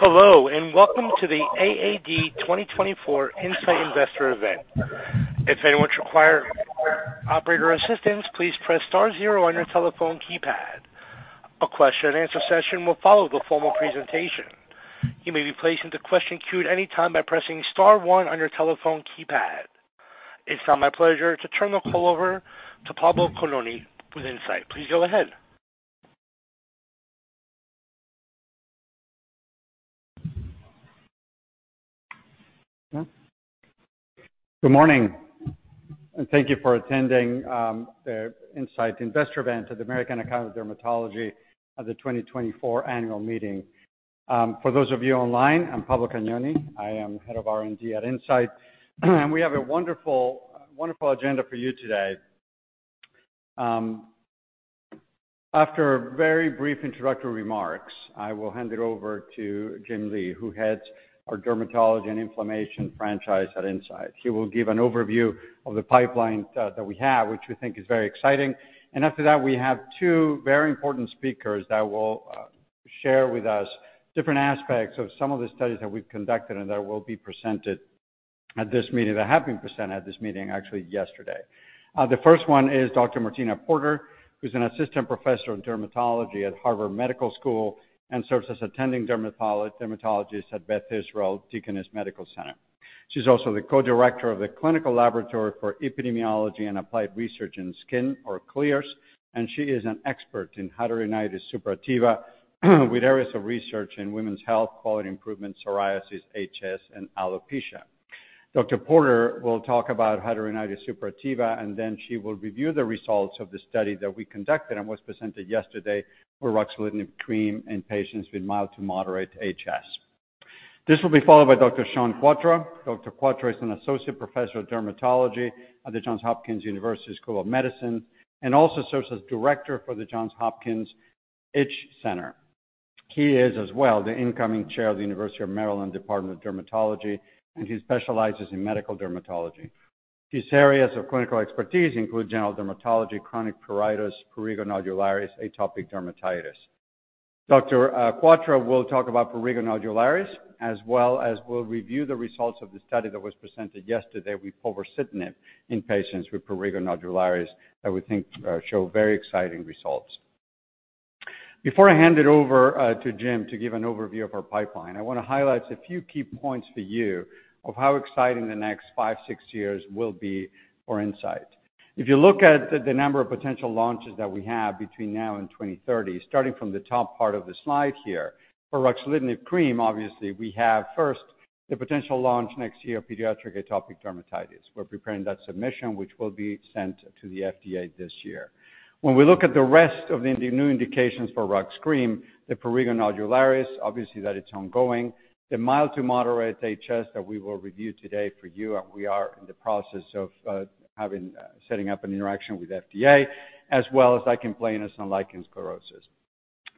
Hello and welcome to the AAD 2024 Incyte Investor Event. If anyone should require operator assistance, please press star zero on your telephone keypad. A question-and-answer session will follow the formal presentation. You may be placed into question queue at any time by pressing star one on your telephone keypad. It's now my pleasure to turn the call over to Pablo Cagnoni with Incyte. Please go ahead. Good morning. Thank you for attending the Incyte Investor Event at the American Academy of Dermatology at the 2024 Annual Meeting. For those of you online, I'm Pablo Cagnoni. I am head of R&D at Incyte, and we have a wonderful, wonderful agenda for you today. After very brief introductory remarks, I will hand it over to Jim Lee, who heads our dermatology and inflammation franchise at Incyte. He will give an overview of the pipeline that we have, which we think is very exciting. After that, we have two very important speakers that will share with us different aspects of some of the studies that we've conducted and that will be presented at this meeting that have been presented at this meeting, actually, yesterday. The first one is Dr. Martina Porter, who's an assistant professor in dermatology at Harvard Medical School and serves as attending dermatologist at Beth Israel Deaconess Medical Center. She's also the co-director of the Clinical Laboratory for Epidemiology and Applied Research in Skin, or CLEAR, and she is an expert in hidradenitis suppurativa with areas of research in women's health, quality improvement, psoriasis, HS, and alopecia. Dr. Porter will talk about hidradenitis suppurativa, and then she will review the results of the study that we conducted and was presented yesterday for ruxolitinib cream in patients with mild to moderate HS. This will be followed by Dr. Shawn Kwatra. Dr. Kwatra is an associate professor of dermatology at the Johns Hopkins University School of Medicine and also serves as director for the Johns Hopkins Itch Center. He is, as well, the incoming chair of the University of Maryland Department of Dermatology, and he specializes in medical dermatology. His areas of clinical expertise include general dermatology, chronic pruritus, prurigo nodularis, atopic dermatitis. Dr. Kwatra will talk about prurigo nodularis, as well as will review the results of the study that was presented yesterday with povorcitinib in patients with prurigo nodularis that we think show very exciting results. Before I hand it over to Jim to give an overview of our pipeline, I want to highlight a few key points for you of how exciting the next five to six years will be for Incyte. If you look at the number of potential launches that we have between now and 2030, starting from the top part of the slide here, for ruxolitinib cream, obviously, we have first the potential launch next year, pediatric atopic dermatitis. We're preparing that submission, which will be sent to the FDA this year. When we look at the rest of the new indications for rux cream, the prurigo nodularis, obviously that it's ongoing, the mild to moderate HS that we will review today for you, and we are in the process of setting up an interaction with the FDA, as well as lichen planus and lichen sclerosus.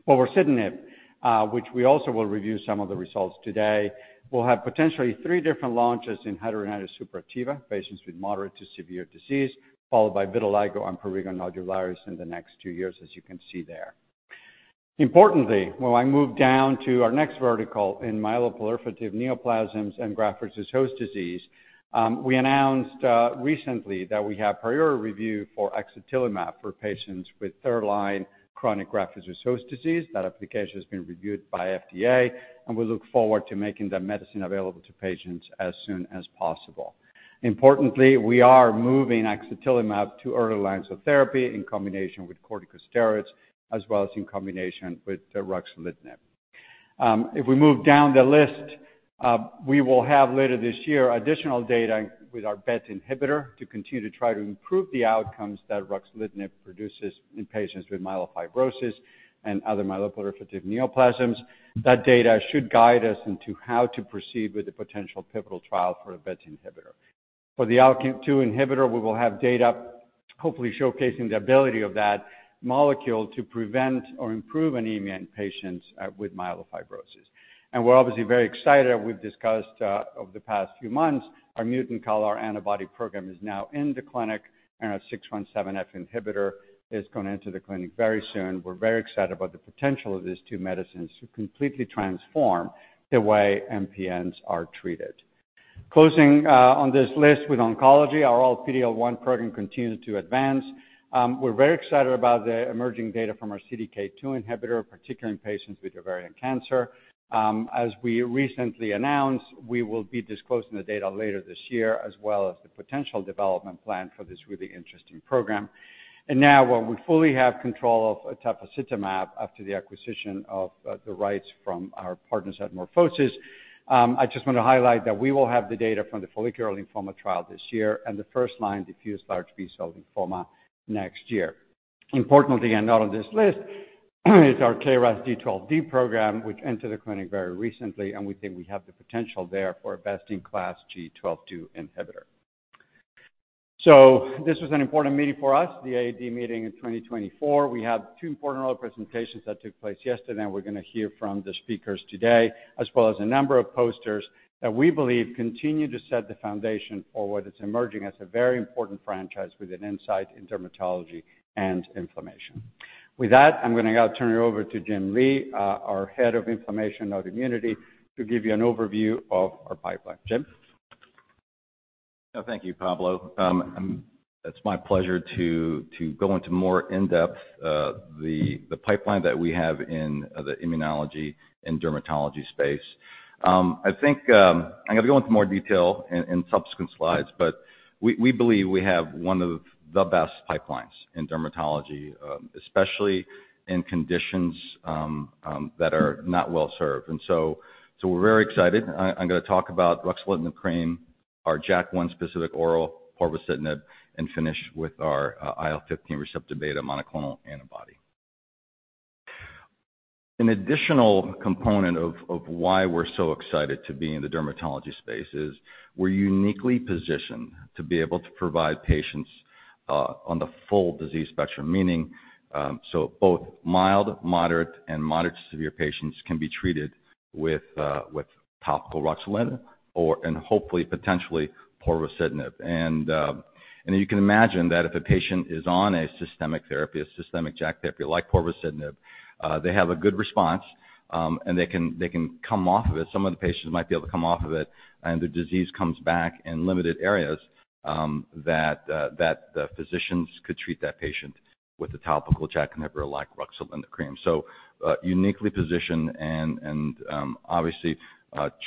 Povorcitinib, which we also will review some of the results today, will have potentially three different launches in hidradenitis suppurativa, patients with moderate to severe disease, followed by vitiligo and prurigo nodularis in the next two years, as you can see there. Importantly, when I move down to our next vertical in myeloproliferative neoplasms and graft versus host disease, we announced recently that we have priority review for axatilimab for patients with third-line chronic graft versus host disease. That application has been reviewed by the FDA, and we look forward to making that medicine available to patients as soon as possible. Importantly, we are moving axatilimab to early lines of therapy in combination with corticosteroids, as well as in combination with ruxolitinib. If we move down the list, we will have later this year additional data with our BET inhibitor to continue to try to improve the outcomes that ruxolitinib produces in patients with myelofibrosis and other myeloproliferative neoplasms. That data should guide us into how to proceed with the potential pivotal trial for a BET inhibitor. For the BET inhibitor, we will have data hopefully showcasing the ability of that molecule to prevent or improve anemia in patients with myelofibrosis. We're obviously very excited. We've discussed, over the past few months, our mutant CALR antibody program is now in the clinic, and our V617F inhibitor is going to enter the clinic very soon. We're very excited about the potential of these two medicines to completely transform the way MPNs are treated. Closing, on this list with oncology, our anti-PD-L1 program continues to advance. We're very excited about the emerging data from our CDK2 inhibitor, particularly in patients with ovarian cancer. As we recently announced, we will be disclosing the data later this year, as well as the potential development plan for this really interesting program. And now, while we fully have control of tafasitamab after the acquisition of the rights from our partners at MorphoSys, I just want to highlight that we will have the data from the follicular lymphoma trial this year and the first-line diffuse large B-cell lymphoma next year. Importantly, and not on this list, is our KRAS G12D program, which entered the clinic very recently, and we think we have the potential there for a best-in-class G12D inhibitor. So this was an important meeting for us, the AAD meeting in 2024. We have two important other presentations that took place yesterday, and we're going to hear from the speakers today, as well as a number of posters that we believe continue to set the foundation for what is emerging as a very important franchise within Incyte in dermatology and inflammation. With that, I'm going to now turn it over to Jim Lee, our head of inflammation and autoimmunity, to give you an overview of our pipeline. Jim? Oh, thank you, Pablo. It's my pleasure to go into more in-depth the pipeline that we have in the immunology and dermatology space. I think I'm going to go into more detail in subsequent slides, but we believe we have one of the best pipelines in dermatology, especially in conditions that are not well served. So we're very excited. I'm going to talk about ruxolitinib cream, our JAK1-specific oral povorcitinib, and finish with our IL-15 receptor beta monoclonal antibody. An additional component of why we're so excited to be in the dermatology space is we're uniquely positioned to be able to provide patients on the full disease spectrum, meaning both mild, moderate, and moderate to severe patients can be treated with topical ruxolitinib or and hopefully potentially povorcitinib. You can imagine that if a patient is on a systemic therapy, a systemic JAK therapy like povorcitinib, they have a good response, and they can come off of it. Some of the patients might be able to come off of it, and the disease comes back in limited areas, that the physicians could treat that patient with a topical JAK inhibitor like ruxolitinib cream. So, uniquely positioned and obviously,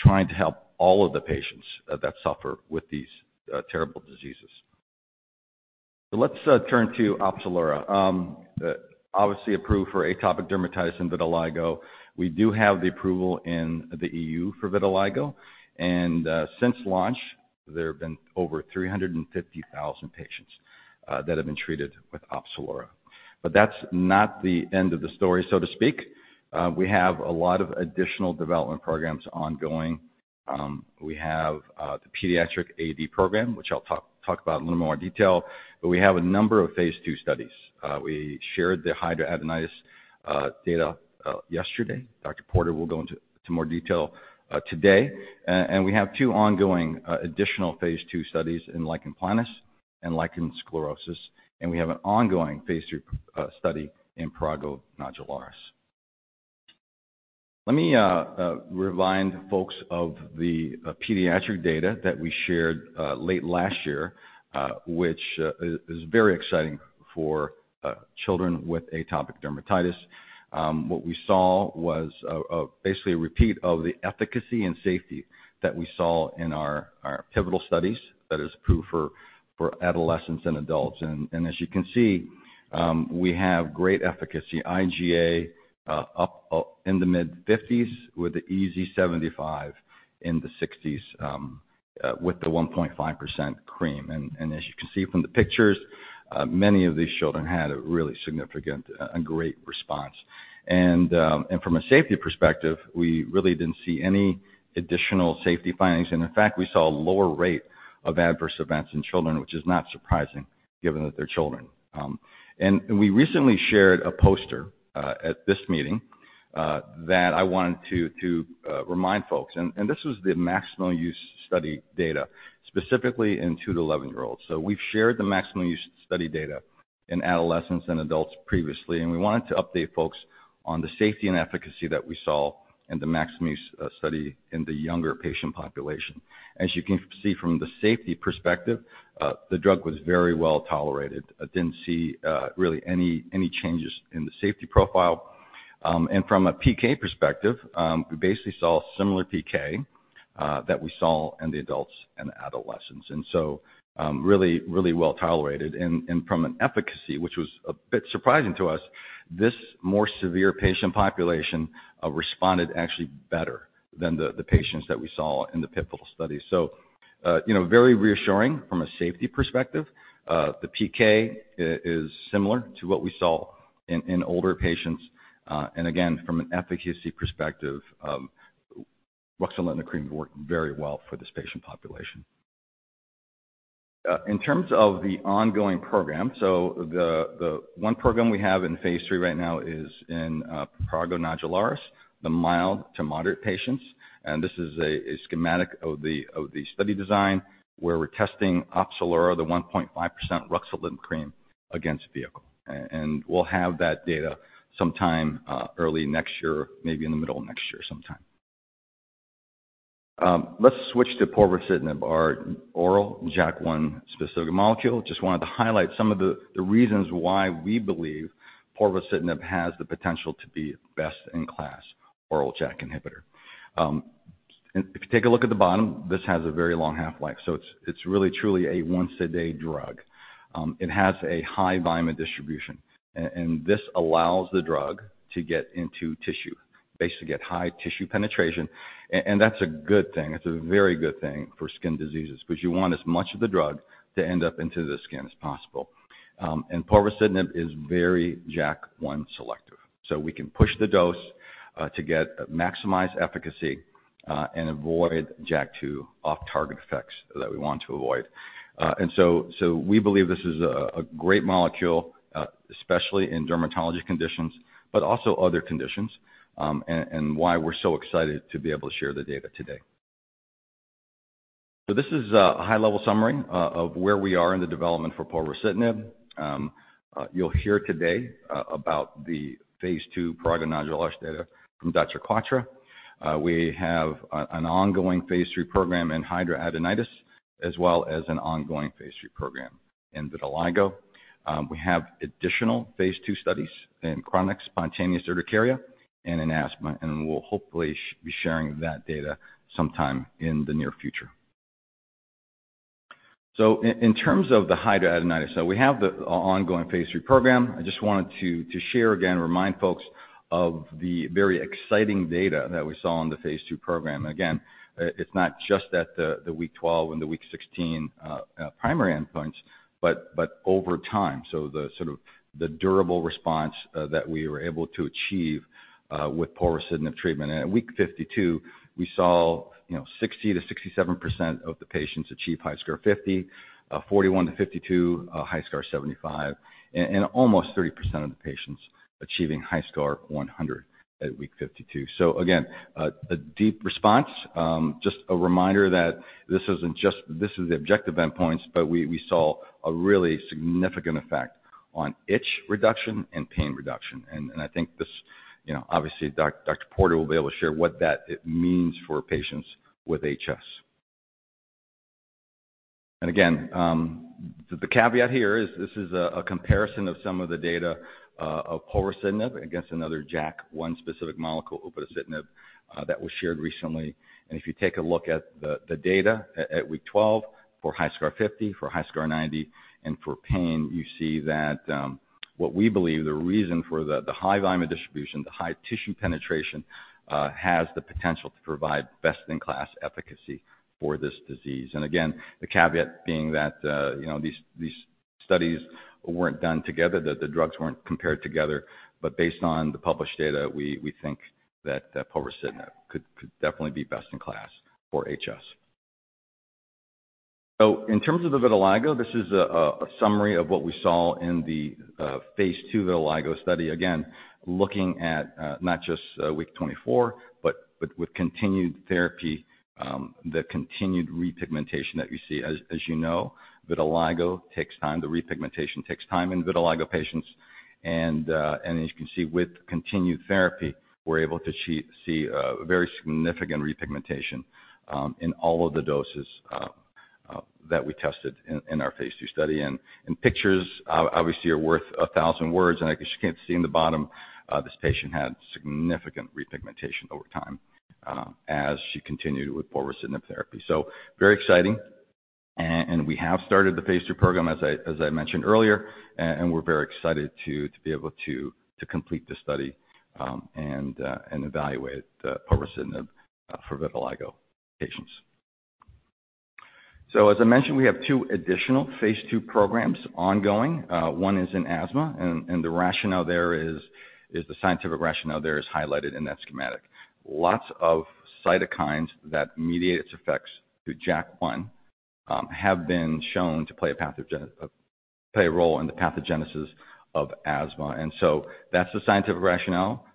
trying to help all of the patients that suffer with these terrible diseases. So let's turn to Opzelura. Obviously approved for atopic dermatitis and vitiligo. We do have the approval in the EU for vitiligo, and since launch, there have been over 350,000 patients that have been treated with Opzelura. But that's not the end of the story, so to speak. We have a lot of additional development programs ongoing. We have the pediatric AD program, which I'll talk about in a little more detail, but we have a number of phase II studies. We shared the hidradenitis data yesterday. Dr. Porter will go into more detail today. And we have two ongoing additional phase II studies in lichen planus and lichen sclerosus, and we have an ongoing phase III study in prurigo nodularis. Let me remind folks of the pediatric data that we shared late last year, which is very exciting for children with atopic dermatitis. What we saw was basically a repeat of the efficacy and safety that we saw in our pivotal studies that is approved for adolescents and adults. And as you can see, we have great efficacy. IGA up in the mid-50s with the EASI 75 in the 60s, with the 1.5% cream. As you can see from the pictures, many of these children had a really significant, a great response. From a safety perspective, we really didn't see any additional safety findings. And in fact, we saw a lower rate of adverse events in children, which is not surprising given that they're children. We recently shared a poster at this meeting that I wanted to remind folks. This was the maximum use study data, specifically in two to 11-year-olds. So we've shared the maximum use study data in adolescents and adults previously, and we wanted to update folks on the safety and efficacy that we saw in the maximum use study in the younger patient population. As you can see from the safety perspective, the drug was very well tolerated. I didn't see really any changes in the safety profile. From a PK perspective, we basically saw a similar PK that we saw in the adults and adolescents. Really, really well tolerated. From an efficacy, which was a bit surprising to us, this more severe patient population responded actually better than the patients that we saw in the pivotal studies. So, you know, very reassuring from a safety perspective. The PK is similar to what we saw in older patients. Again, from an efficacy perspective, ruxolitinib cream worked very well for this patient population. In terms of the ongoing program, the one program we have in phase III right now is in prurigo nodularis, the mild to moderate patients. And this is a schematic of the study design where we're testing Opzelura, the 1.5% ruxolitinib cream, against vehicle. And we'll have that data sometime, early next year, maybe in the middle of next year sometime. Let's switch to povorcitinib, our oral JAK1-specific molecule. Just wanted to highlight some of the reasons why we believe povorcitinib has the potential to be best-in-class oral JAK inhibitor. And if you take a look at the bottom, this has a very long half-life, so it's really truly a once-a-day drug. It has a high volume of distribution, and this allows the drug to get into tissue, basically get high tissue penetration. And that's a good thing. It's a very good thing for skin diseases because you want as much of the drug to end up into the skin as possible. And povorcitinib is very JAK1-selective, so we can push the dose to get maximized efficacy, and avoid JAK2 off-target effects that we want to avoid. And so, so we believe this is a, a great molecule, especially in dermatology conditions, but also other conditions, and, and why we're so excited to be able to share the data today. So this is, a high-level summary, of where we are in the development for povorcitinib. You'll hear today, about the phase II prurigo nodularis data from Dr. Kwatra. We have an ongoing phase III program in hidradenitis, as well as an ongoing phase III program in vitiligo. We have additional phase II studies in chronic spontaneous urticaria and in asthma, and we'll hopefully soon be sharing that data sometime in the near future. So in terms of the hidradenitis, so we have the ongoing phase III program. I just wanted to share again, remind folks of the very exciting data that we saw in the phase II program. And again, it's not just at the week 12 and the week 16 primary endpoints, but over time, so the sort of the durable response that we were able to achieve with povorcitinib treatment. And at week 52, we saw, you know, 60%-67% of the patients achieve HiSCR 50, 41%-52% HiSCR 75, and almost 30% of the patients achieving HiSCR 100 at week 52. So again, a deep response. Just a reminder that this isn't just this is the objective endpoints, but we saw a really significant effect on itch reduction and pain reduction. And I think this, you know, obviously, Dr. Porter will be able to share what that it means for patients with HS. Again, the caveat here is this is a comparison of some of the data of povorcitinib against another JAK1-specific molecule, upadacitinib, that was shared recently. If you take a look at the data at week 12 for HiSCR 50, for HiSCR 90, and for pain, you see that what we believe the reason for the high volume of distribution, the high tissue penetration, has the potential to provide best-in-class efficacy for this disease. Again, the caveat being that you know these studies weren't done together, that the drugs weren't compared together, but based on the published data, we think that povorcitinib could definitely be best-in-class for HS. In terms of the vitiligo, this is a summary of what we saw in the phase II vitiligo study. Again, looking at not just week 24, but with continued therapy, the continued repigmentation that you see. As you know, vitiligo takes time. The repigmentation takes time in vitiligo patients. And as you can see, with continued therapy, we're able to achieve, see, very significant repigmentation in all of the doses that we tested in our phase II study. And pictures, obviously, are worth 1,000 words, and I guess you can't see in the bottom, this patient had significant repigmentation over time, as she continued with povorcitinib therapy. So very exciting. And we have started the phase II program, as I mentioned earlier, and we're very excited to be able to complete the study and evaluate the povorcitinib for vitiligo patients. So as I mentioned, we have two additional phase II programs ongoing. One is in asthma, and the rationale there is the scientific rationale there is highlighted in that schematic. Lots of cytokines that mediate its effects through JAK1 have been shown to play a role in the pathogenesis of asthma. And so that's the scientific rationale.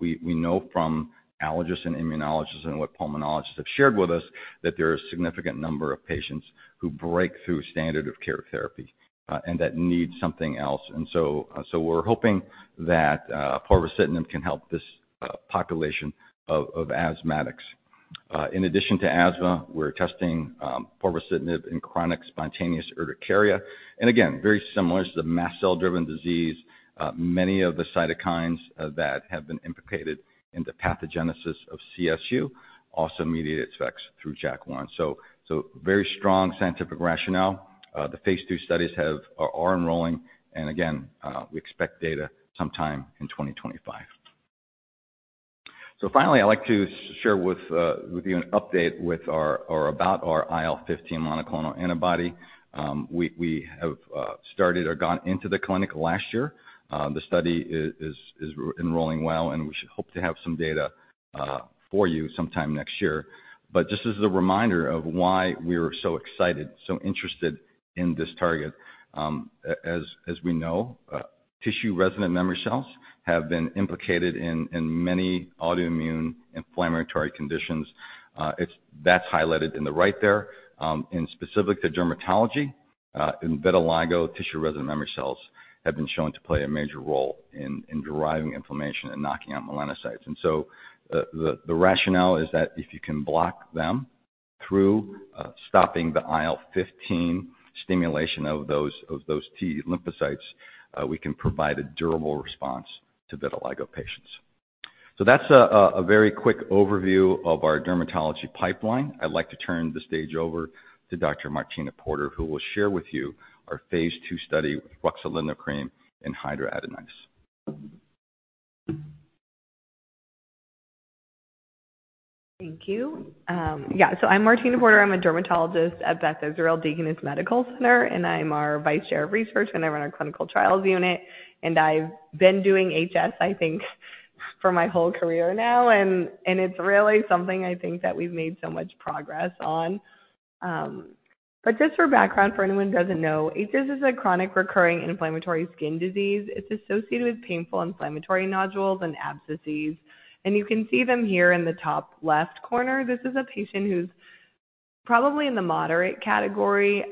We know from allergists and immunologists and what pulmonologists have shared with us that there are a significant number of patients who break through standard of care therapy, and that need something else. And so we're hoping that povorcitinib can help this population of asthmatics. In addition to asthma, we're testing povorcitinib in chronic spontaneous urticaria. And again, very similar to the mast cell-driven disease, many of the cytokines that have been implicated in the pathogenesis of CSU also mediate its effects through JAK1. So very strong scientific rationale. The phase II studies are enrolling, and again, we expect data sometime in 2025. So finally, I'd like to share with you an update about our IL-15 monoclonal antibody. We have started or gone into the clinic last year. The study is enrolling well, and we hope to have some data for you sometime next year. But just as a reminder of why we were so excited, so interested in this target, as we know, tissue resident memory cells have been implicated in many autoimmune inflammatory conditions. That's highlighted right there. And specific to dermatology, in vitiligo, tissue resident memory cells have been shown to play a major role in driving inflammation and knocking out melanocytes. The rationale is that if you can block them through stopping the IL-15 stimulation of those T lymphocytes, we can provide a durable response to vitiligo patients. That's a very quick overview of our dermatology pipeline. I'd like to turn the stage over to Dr. Martina Porter, who will share with you our phase II study with ruxolitinib cream in hidradenitis. Thank you. Yeah, so I'm Martina Porter. I'm a dermatologist at Beth Israel Deaconess Medical Center, and I'm our vice chair of research, and I run our clinical trials unit. And I've been doing HS, I think, for my whole career now, and it's really something I think that we've made so much progress on. But just for background, for anyone who doesn't know, HS is a chronic recurring inflammatory skin disease. It's associated with painful inflammatory nodules and abscesses. And you can see them here in the top left corner. This is a patient who's probably in the moderate category.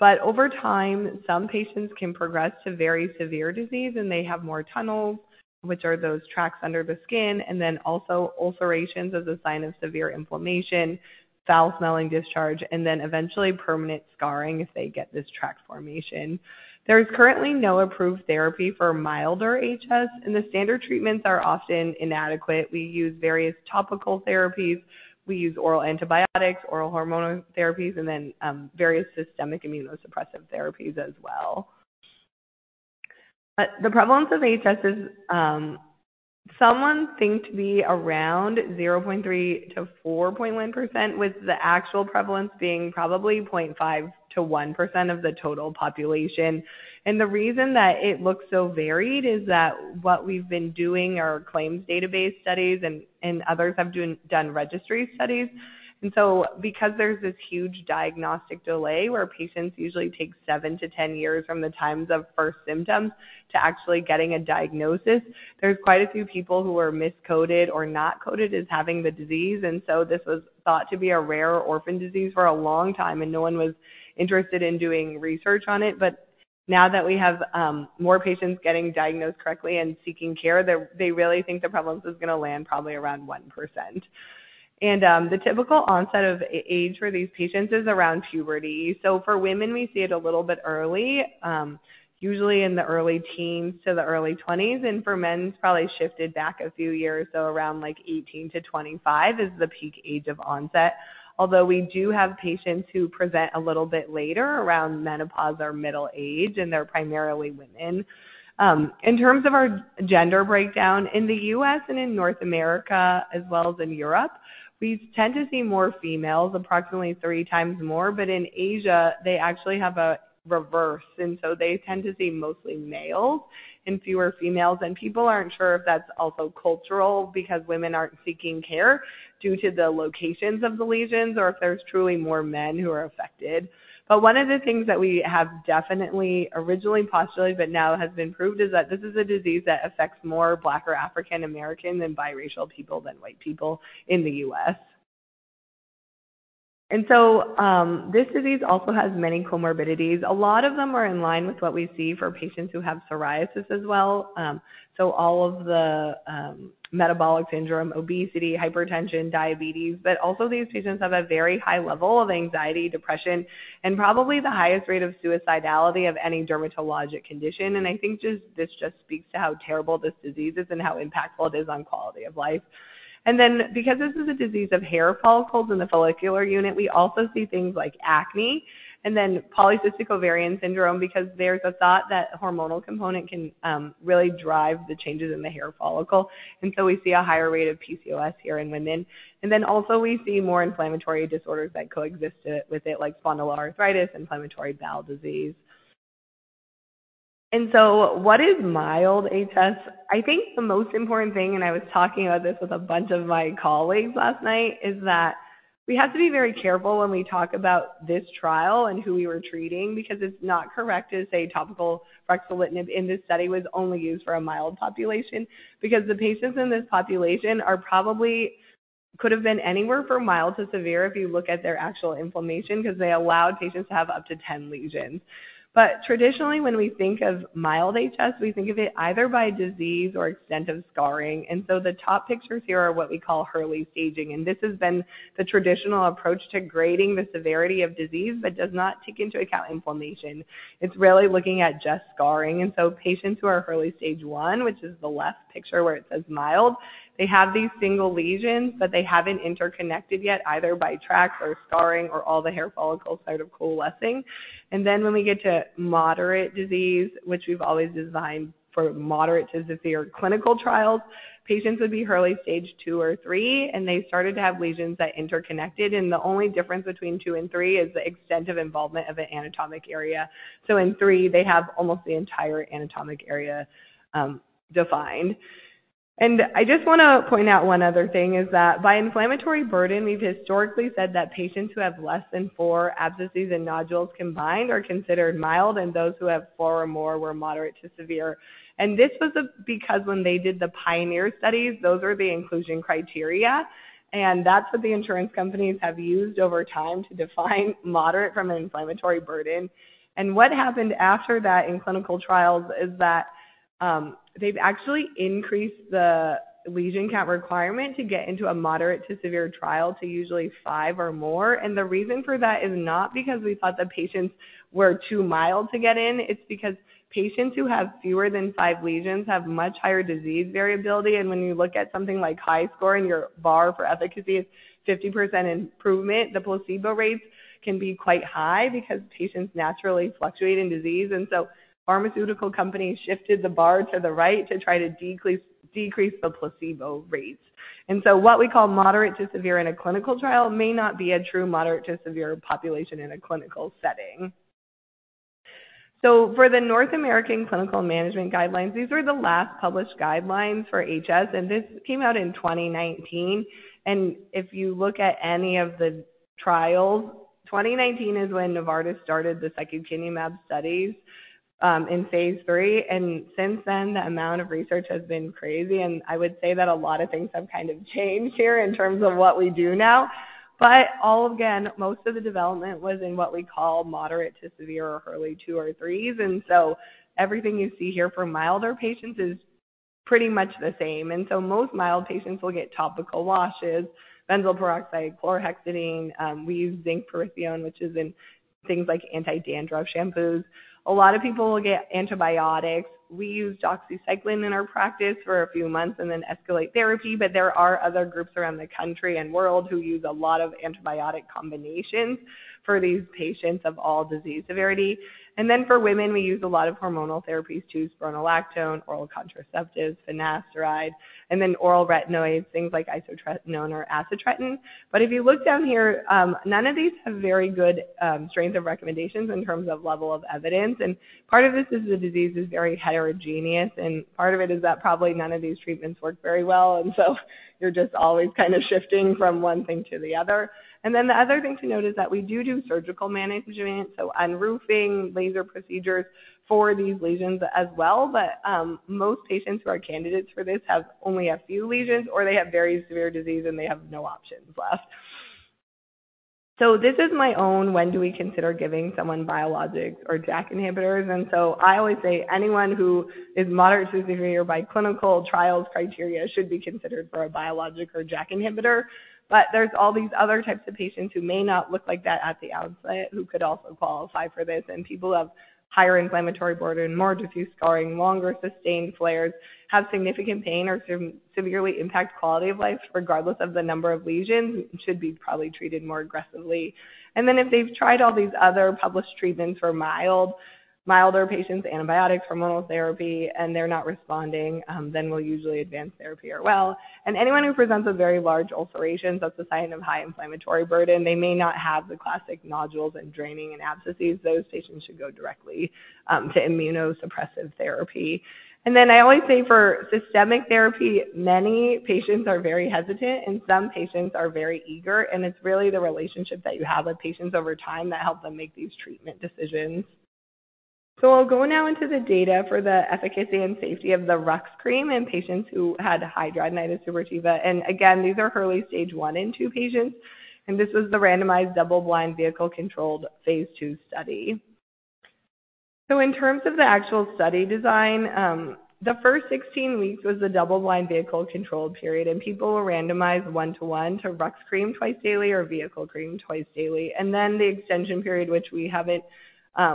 But over time, some patients can progress to very severe disease, and they have more tunnels, which are those tracts under the skin, and then also ulcerations as a sign of severe inflammation, foul-smelling discharge, and then eventually permanent scarring if they get this tract formation. There's currently no approved therapy for milder HS, and the standard treatments are often inadequate. We use various topical therapies. We use oral antibiotics, oral hormonal therapies, and then, various systemic immunosuppressive therapies as well. But the prevalence of HS is, someone thinks to be around 0.3%-4.1%, with the actual prevalence being probably 0.5%-1% of the total population. And the reason that it looks so varied is that what we've been doing are claims database studies, and others have done registry studies. And so because there's this huge diagnostic delay where patients usually take seven to 10 years from the times of first symptoms to actually getting a diagnosis, there's quite a few people who are miscoded or not coded as having the disease. This was thought to be a rare orphan disease for a long time, and no one was interested in doing research on it. But now that we have more patients getting diagnosed correctly and seeking care, they really think the prevalence is going to land probably around 1%. The typical onset of age for these patients is around puberty. For women, we see it a little bit early, usually in the early teens to the early 20s. For men, it's probably shifted back a few years, so around like 18 to 25 is the peak age of onset. Although we do have patients who present a little bit later, around menopause or middle age, and they're primarily women. In terms of our gender breakdown, in the U.S. and in North America, as well as in Europe, we tend to see more females, approximately three times more, but in Asia, they actually have a reverse. And so they tend to see mostly males and fewer females. And people aren't sure if that's also cultural because women aren't seeking care due to the locations of the lesions or if there's truly more men who are affected. But one of the things that we have definitely originally postulated, but now has been proved, is that this is a disease that affects more Black or African American than biracial people than white people in the U.S. And so, this disease also has many comorbidities. A lot of them are in line with what we see for patients who have psoriasis as well. So all of the metabolic syndrome, obesity, hypertension, diabetes, but also these patients have a very high level of anxiety, depression, and probably the highest rate of suicidality of any dermatologic condition. And I think this just speaks to how terrible this disease is and how impactful it is on quality of life. And then because this is a disease of hair follicles in the follicular unit, we also see things like acne and then polycystic ovarian syndrome because there's a thought that hormonal component can really drive the changes in the hair follicle. And so we see a higher rate of PCOS here in women. And then also, we see more inflammatory disorders that coexist with it, like spondyloarthritis, inflammatory bowel disease. And so what is mild HS? I think the most important thing, and I was talking about this with a bunch of my colleagues last night, is that we have to be very careful when we talk about this trial and who we were treating because it's not correct to say topical ruxolitinib in this study was only used for a mild population because the patients in this population are probably could have been anywhere from mild to severe if you look at their actual inflammation because they allowed patients to have up to 10 lesions. But traditionally, when we think of mild HS, we think of it either by disease or extent of scarring. And so the top pictures here are what we call early staging. This has been the traditional approach to grading the severity of disease but does not take into account inflammation. It's really looking at just scarring. So patients who are early stage 1, which is the left picture where it says mild, they have these single lesions, but they haven't interconnected yet either by tracts or scarring or all the hair follicles started coalescing. Then when we get to moderate disease, which we've always designed for moderate to severe clinical trials, patients would be early stage 2 or 3, and they started to have lesions that interconnected. The only difference between 2 and 3 is the extent of involvement of an anatomic area. So in 3, they have almost the entire anatomic area defined. I just want to point out one other thing: that by inflammatory burden, we've historically said that patients who have less than four abscesses and nodules combined are considered mild, and those who have four or more were moderate to severe. This was because when they did the PIONEER studies, those are the inclusion criteria, and that's what the insurance companies have used over time to define moderate from an inflammatory burden. What happened after that in clinical trials is that they've actually increased the lesion count requirement to get into a moderate to severe trial to usually five or more. The reason for that is not because we thought the patients were too mild to get in. It's because patients who have fewer than five lesions have much higher disease variability. When you look at something like HiSCR and your bar for efficacy is 50% improvement, the placebo rates can be quite high because patients naturally fluctuate in disease. So pharmaceutical companies shifted the bar to the right to try to decrease the placebo rates. What we call moderate to severe in a clinical trial may not be a true moderate to severe population in a clinical setting. So for the North American Clinical Management Guidelines, these were the last published guidelines for HS, and this came out in 2019. And if you look at any of the trials, 2019 is when Novartis started the second pivotal studies, in phase III. And since then, the amount of research has been crazy, and I would say that a lot of things have kind of changed here in terms of what we do now. But all again, most of the development was in what we call moderate to severe or early 2 or 3s. And so everything you see here for milder patients is pretty much the same. And so most mild patients will get topical washes, benzoyl peroxide, chlorhexidine. We use zinc pyrithione, which is in things like anti-dandruff shampoos. A lot of people will get antibiotics. We use doxycycline in our practice for a few months and then escalate therapy. There are other groups around the country and world who use a lot of antibiotic combinations for these patients of all disease severity. Then for women, we use a lot of hormonal therapies too, spironolactone, oral contraceptives, finasteride, and then oral retinoids, things like isotretinoin or acitretin. But if you look down here, none of these have very good strength of recommendations in terms of level of evidence. Part of this is the disease is very heterogeneous, and part of it is that probably none of these treatments work very well. So you're just always kind of shifting from one thing to the other. And then the other thing to note is that we do do surgical management, so unroofing, laser procedures for these lesions as well. But most patients who are candidates for this have only a few lesions, or they have very severe disease, and they have no options left. So this is my own when do we consider giving someone biologics or JAK inhibitors. And so I always say anyone who is moderate to severe by clinical trials criteria should be considered for a biologic or JAK inhibitor. But there's all these other types of patients who may not look like that at the outset who could also qualify for this. And people who have higher inflammatory burden, more diffuse scarring, longer sustained flares, have significant pain or severely impact quality of life regardless of the number of lesions, should be probably treated more aggressively. Then if they've tried all these other published treatments for mild, milder patients, antibiotics, hormonal therapy, and they're not responding, then we'll usually advance therapy as well. And anyone who presents with very large ulcerations, that's a sign of high inflammatory burden. They may not have the classic nodules and draining and abscesses. Those patients should go directly to immunosuppressive therapy. And then I always say for systemic therapy, many patients are very hesitant, and some patients are very eager. And it's really the relationship that you have with patients over time that helps them make these treatment decisions. So I'll go now into the data for the efficacy and safety of the rux cream in patients who had hidradenitis suppurativa. And again, these are early stage 1 and 2 patients. And this was the randomized double-blind vehicle-controlled phase II study. So in terms of the actual study design, the first 16 weeks was the double-blind vehicle-controlled period, and people were randomized 1:1 to rux cream twice daily or vehicle cream twice daily. Then the extension period, which we haven't,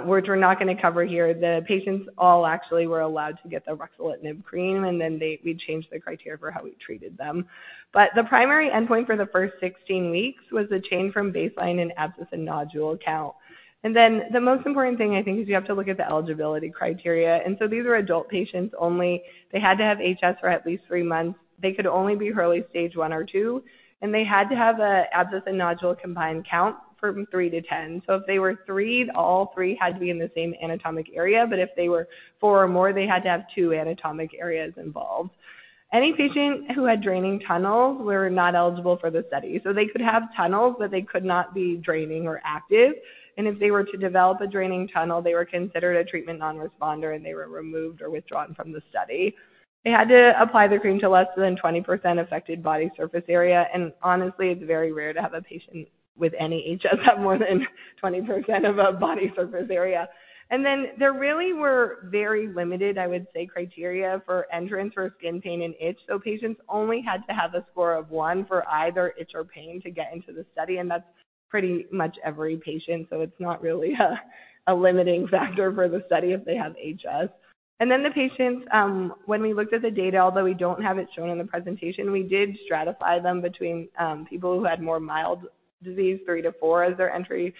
which we're not going to cover here, the patients all actually were allowed to get the ruxolitinib cream, and then we changed the criteria for how we treated them. But the primary endpoint for the first 16 weeks was a change from baseline in abscess and nodule count. Then the most important thing, I think, is you have to look at the eligibility criteria. So these were adult patients only. They had to have HS for at least three months. They could only be early stage 1 or 2, and they had to have an abscess and nodule combined count from three to 10. So if they were three, all three had to be in the same anatomic area, but if they were four or more, they had to have two anatomic areas involved. Any patient who had draining tunnels were not eligible for the study. So they could have tunnels, but they could not be draining or active. And if they were to develop a draining tunnel, they were considered a treatment non-responder, and they were removed or withdrawn from the study. They had to apply the cream to less than 20% affected body surface area. And honestly, it's very rare to have a patient with any HS have more than 20% of a body surface area. And then there really were very limited, I would say, criteria for entrance for skin pain and itch. So patients only had to have a score of one for either itch or pain to get into the study, and that's pretty much every patient. So it's not really a limiting factor for the study if they have HS. And then the patients, when we looked at the data, although we don't have it shown in the presentation, we did stratify them between people who had more mild disease, three to four as their entry,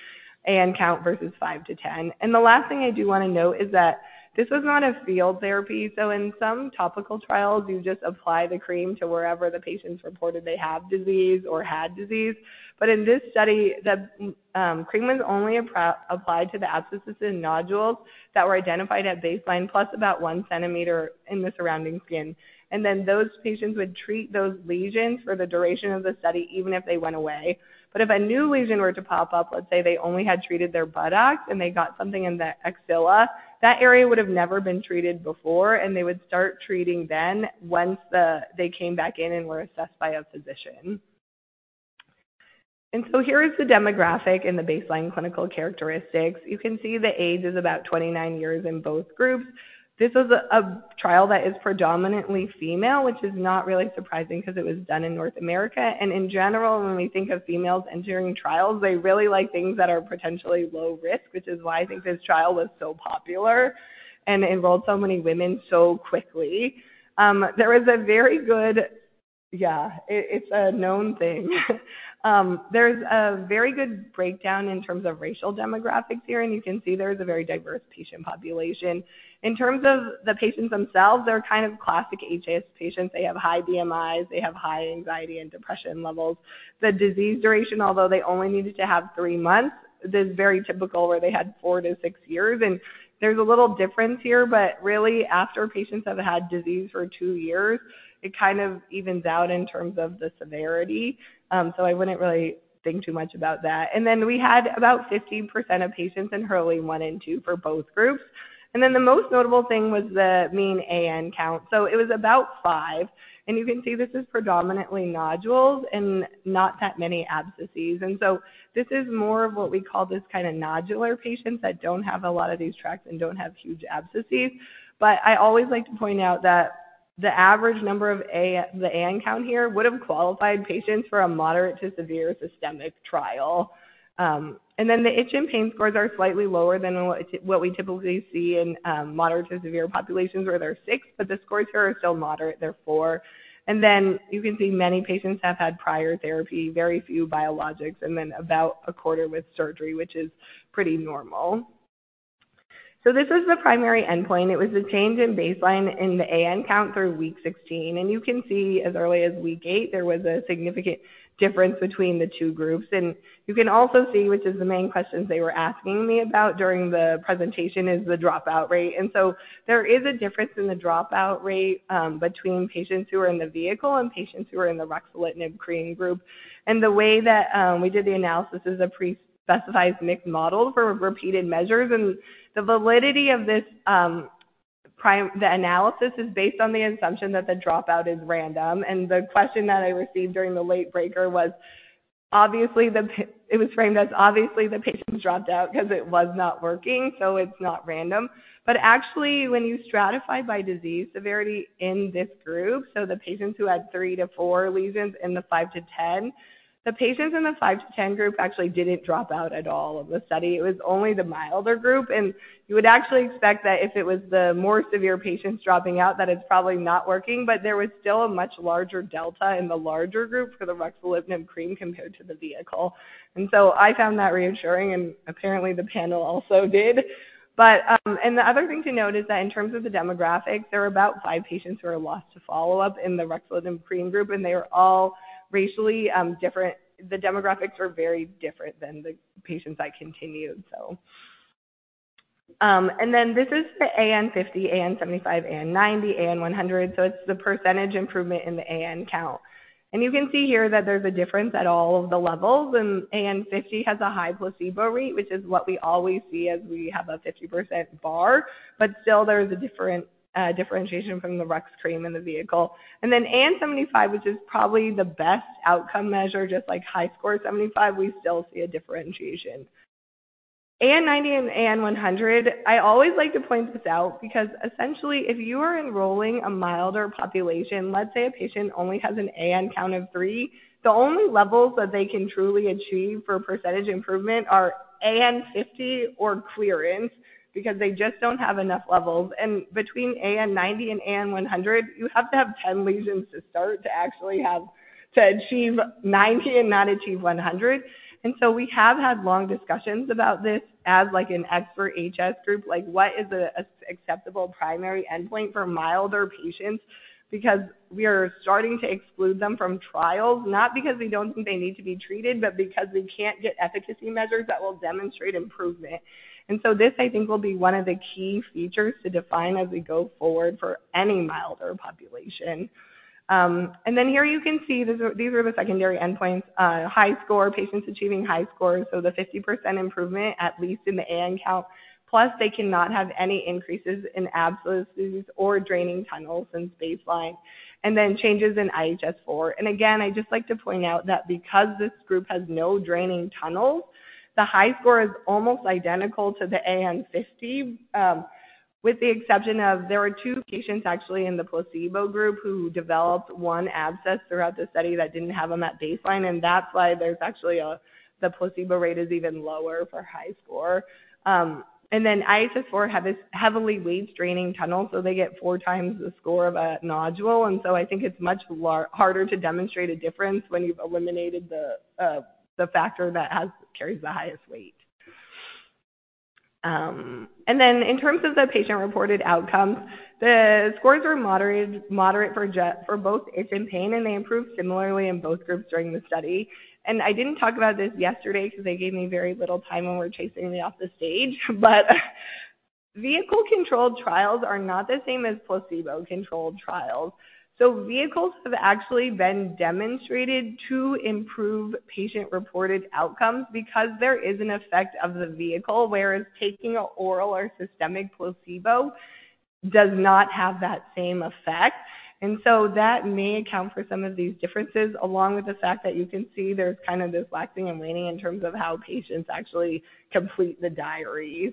and count versus five to 10. And the last thing I do want to note is that this was not a field therapy. So in some topical trials, you just apply the cream to wherever the patients reported they have disease or had disease. But in this study, the cream was only applied to the abscesses and nodules that were identified at baseline plus about 1 cm in the surrounding skin. Then those patients would treat those lesions for the duration of the study even if they went away. If a new lesion were to pop up, let's say they only had treated their buttocks and they got something in the axilla, that area would have never been treated before, and they would start treating then once they came back in and were assessed by a physician. Here is the demographic and the baseline clinical characteristics. You can see the age is about 29 years in both groups. This was a trial that is predominantly female, which is not really surprising because it was done in North America. In general, when we think of females entering trials, they really like things that are potentially low risk, which is why I think this trial was so popular and enrolled so many women so quickly. There was a very good, yeah, it's a known thing. There's a very good breakdown in terms of racial demographics here, and you can see there is a very diverse patient population. In terms of the patients themselves, they're kind of classic HS patients. They have high BMIs. They have high anxiety and depression levels. The disease duration, although they only needed to have three months, this is very typical where they had four to six years. And there's a little difference here, but really after patients have had disease for two years, it kind of evens out in terms of the severity. So I wouldn't really think too much about that. And then we had about 50% of patients in early 1 and 2 for both groups. And then the most notable thing was the mean AN count. So it was about five. You can see this is predominantly nodules and not that many abscesses. This is more of what we call this kind of nodular patients that don't have a lot of these tracts and don't have huge abscesses. But I always like to point out that the average number of AN count here would have qualified patients for a moderate to severe systemic trial. And then the itch and pain scores are slightly lower than what we typically see in moderate to severe populations where they're 6, but the scores here are still moderate. They're four. Then you can see many patients have had prior therapy, very few biologics, and then about a quarter with surgery, which is pretty normal. This is the primary endpoint. It was the change in baseline in the AN count through week 16. You can see as early as week eight, there was a significant difference between the two groups. You can also see, which is the main questions they were asking me about during the presentation, is the dropout rate. So there is a difference in the dropout rate, between patients who are in the vehicle and patients who are in the ruxolitinib cream group. The way that, we did the analysis is a pre-specified mixed model for repeated measures. The validity of this, the analysis is based on the assumption that the dropout is random. The question that I received during the late breaker was, obviously, it was framed as, obviously, the patient's dropped out because it was not working. So it's not random. But actually, when you stratify by disease severity in this group, so the patients who had three to four lesions in the five to 10, the patients in the five to 10 group actually didn't drop out at all of the study. It was only the milder group. And you would actually expect that if it was the more severe patients dropping out, that it's probably not working. But there was still a much larger delta in the larger group for the ruxolitinib cream compared to the vehicle. And so I found that reassuring, and apparently the panel also did. But, and the other thing to note is that in terms of the demographics, there were about five patients who were lost to follow up in the ruxolitinib cream group, and they were all racially different. The demographics were very different than the patients that continued, so. Then this is the AN 50, AN 75, AN 90, AN 100. So it's the percentage improvement in the AN count. You can see here that there's a difference at all of the levels. AN 50 has a high placebo rate, which is what we always see as we have a 50% bar. But still, there is a different, differentiation from the rux cream in the vehicle. Then AN 75, which is probably the best outcome measure, just like HiSCR 75, we still see a differentiation. AN 90 and AN 100, I always like to point this out because essentially if you are enrolling a milder population, let's say a patient only has an AN count of three, the only levels that they can truly achieve for percentage improvement are AN 50 or clearance because they just don't have enough levels. And between AN 90 and AN 100, you have to have 10 lesions to start to actually have to achieve 90 and not achieve 100. And so we have had long discussions about this as like an expert HS group, like what is an acceptable primary endpoint for milder patients because we are starting to exclude them from trials, not because we don't think they need to be treated, but because we can't get efficacy measures that will demonstrate improvement. And so this, I think, will be one of the key features to define as we go forward for any milder population. And then here you can see these are the secondary endpoints, HiSCR, patients achieving HiSCR, so the 50% improvement at least in the AN count, plus they cannot have any increases in abscesses or draining tunnels since baseline, and then changes in IHS4. Again, I just like to point out that because this group has no draining tunnels, the HiSCR is almost identical to the AN 50, with the exception of there were two patients actually in the placebo group who developed one abscess throughout the study that didn't have them at baseline, and that's why there's actually that the placebo rate is even lower for HiSCR. Then IHS4 have this heavily weighted draining tunnel, so they get four times the score of a nodule. And so I think it's much harder to demonstrate a difference when you've eliminated the factor that carries the highest weight. Then in terms of the patient-reported outcomes, the scores were moderate for both itch and pain, and they improved similarly in both groups during the study. I didn't talk about this yesterday because they gave me very little time when we're chasing me off the stage. But vehicle-controlled trials are not the same as placebo-controlled trials. So vehicles have actually been demonstrated to improve patient-reported outcomes because there is an effect of the vehicle, whereas taking an oral or systemic placebo does not have that same effect. And so that may account for some of these differences, along with the fact that you can see there's kind of this waxing and waning in terms of how patients actually complete the diaries.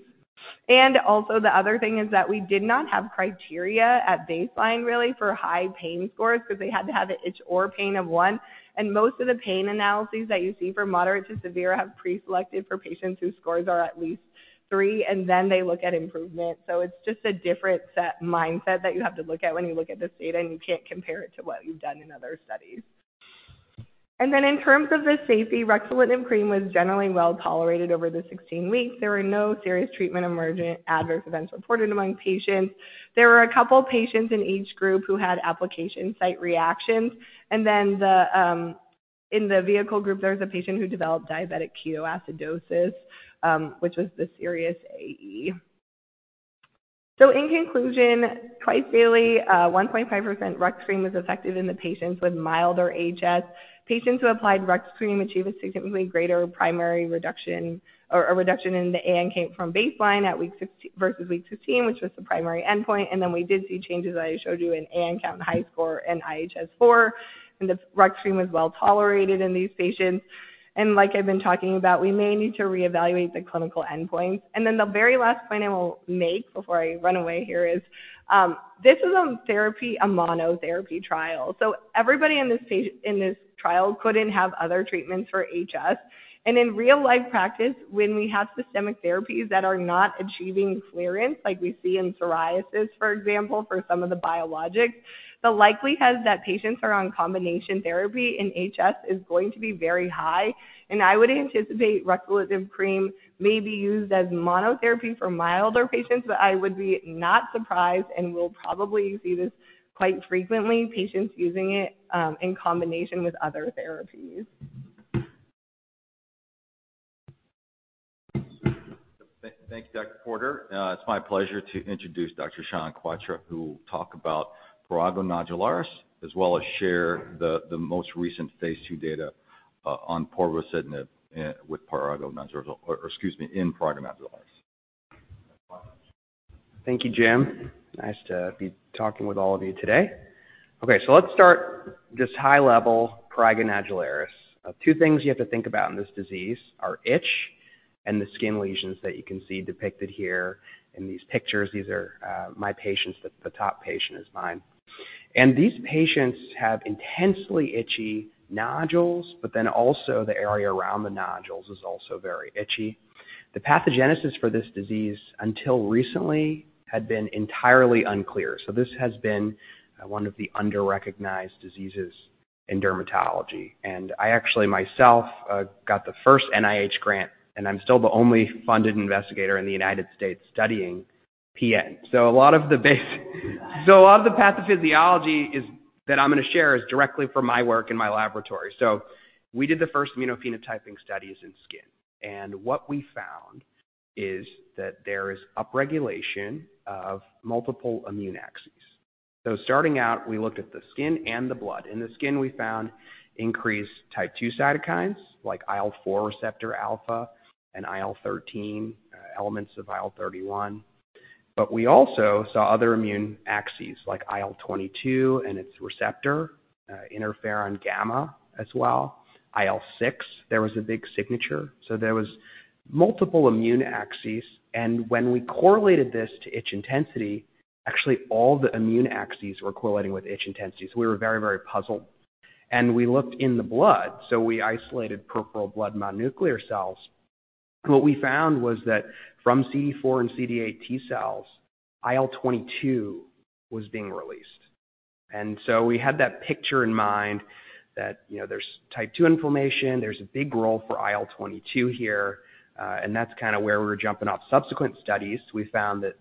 And also the other thing is that we did not have criteria at baseline, really, for high pain scores because they had to have an itch or pain of one. Most of the pain analyses that you see for moderate to severe have preselected for patients whose scores are at least three, and then they look at improvement. It's just a different set mindset that you have to look at when you look at this data, and you can't compare it to what you've done in other studies. Then in terms of the safety, ruxolitinib cream was generally well tolerated over the 16 weeks. There were no serious treatment emergent adverse events reported among patients. There were a couple of patients in each group who had application site reactions. Then the, in the vehicle group, there was a patient who developed diabetic ketoacidosis, which was the serious AE. In conclusion, twice daily, 1.5% ruxolitinib cream was effective in the patients with milder HS. Patients who applied rux cream achieved a significantly greater primary reduction or a reduction in the AN count from baseline at week 16 versus week 16, which was the primary endpoint. Then we did see changes that I showed you in AN count, HiSCR, and IHS4. And the rux cream was well tolerated in these patients. And like I've been talking about, we may need to reevaluate the clinical endpoints. And then the very last point I will make before I run away here is, this is a therapy, a monotherapy trial. So everybody in this patient in this trial couldn't have other treatments for HS. And in real-life practice, when we have systemic therapies that are not achieving clearance, like we see in psoriasis, for example, for some of the biologics, the likelihood that patients are on combination therapy in HS is going to be very high. I would anticipate ruxolitinib cream may be used as monotherapy for milder patients, but I would not be surprised and will probably see this quite frequently, patients using it, in combination with other therapies. Thank you, Dr. Porter. It's my pleasure to introduce Dr. Shawn Kwatra, who will talk about prurigo nodularis as well as share the most recent phase II data, on povorcitinib with prurigo nodularis, or excuse me, in prurigo nodularis. Thank you, Jim. Nice to be talking with all of you today. Okay, so let's start just high-level prurigo nodularis. Two things you have to think about in this disease are itch and the skin lesions that you can see depicted here in these pictures. These are my patients. The top patient is mine. And these patients have intensely itchy nodules, but then also the area around the nodules is also very itchy. The pathogenesis for this disease until recently had been entirely unclear. So this has been one of the under-recognized diseases in dermatology. I actually myself got the first NIH grant, and I'm still the only funded investigator in the United States studying PN. So a lot of the pathophysiology that I'm going to share is directly from my work in my laboratory. So we did the first immunophenotyping studies in skin. And what we found is that there is upregulation of multiple immune axes. So starting out, we looked at the skin and the blood. In the skin, we found increased type 2 cytokines like IL-4 receptor alpha and IL-13, elements of IL-31. But we also saw other immune axes like IL-22 and its receptor, interferon gamma as well. IL-6, there was a big signature. So there was multiple immune axes. When we correlated this to itch intensity, actually all the immune axes were correlating with itch intensity. So we were very, very puzzled. We looked in the blood. We isolated peripheral blood mononuclear cells. What we found was that from CD4 and CD8 T cells, IL-22 was being released. So we had that picture in mind that, you know, there's type 2 inflammation. There's a big role for IL-22 here. And that's kind of where we were jumping off subsequent studies. We found that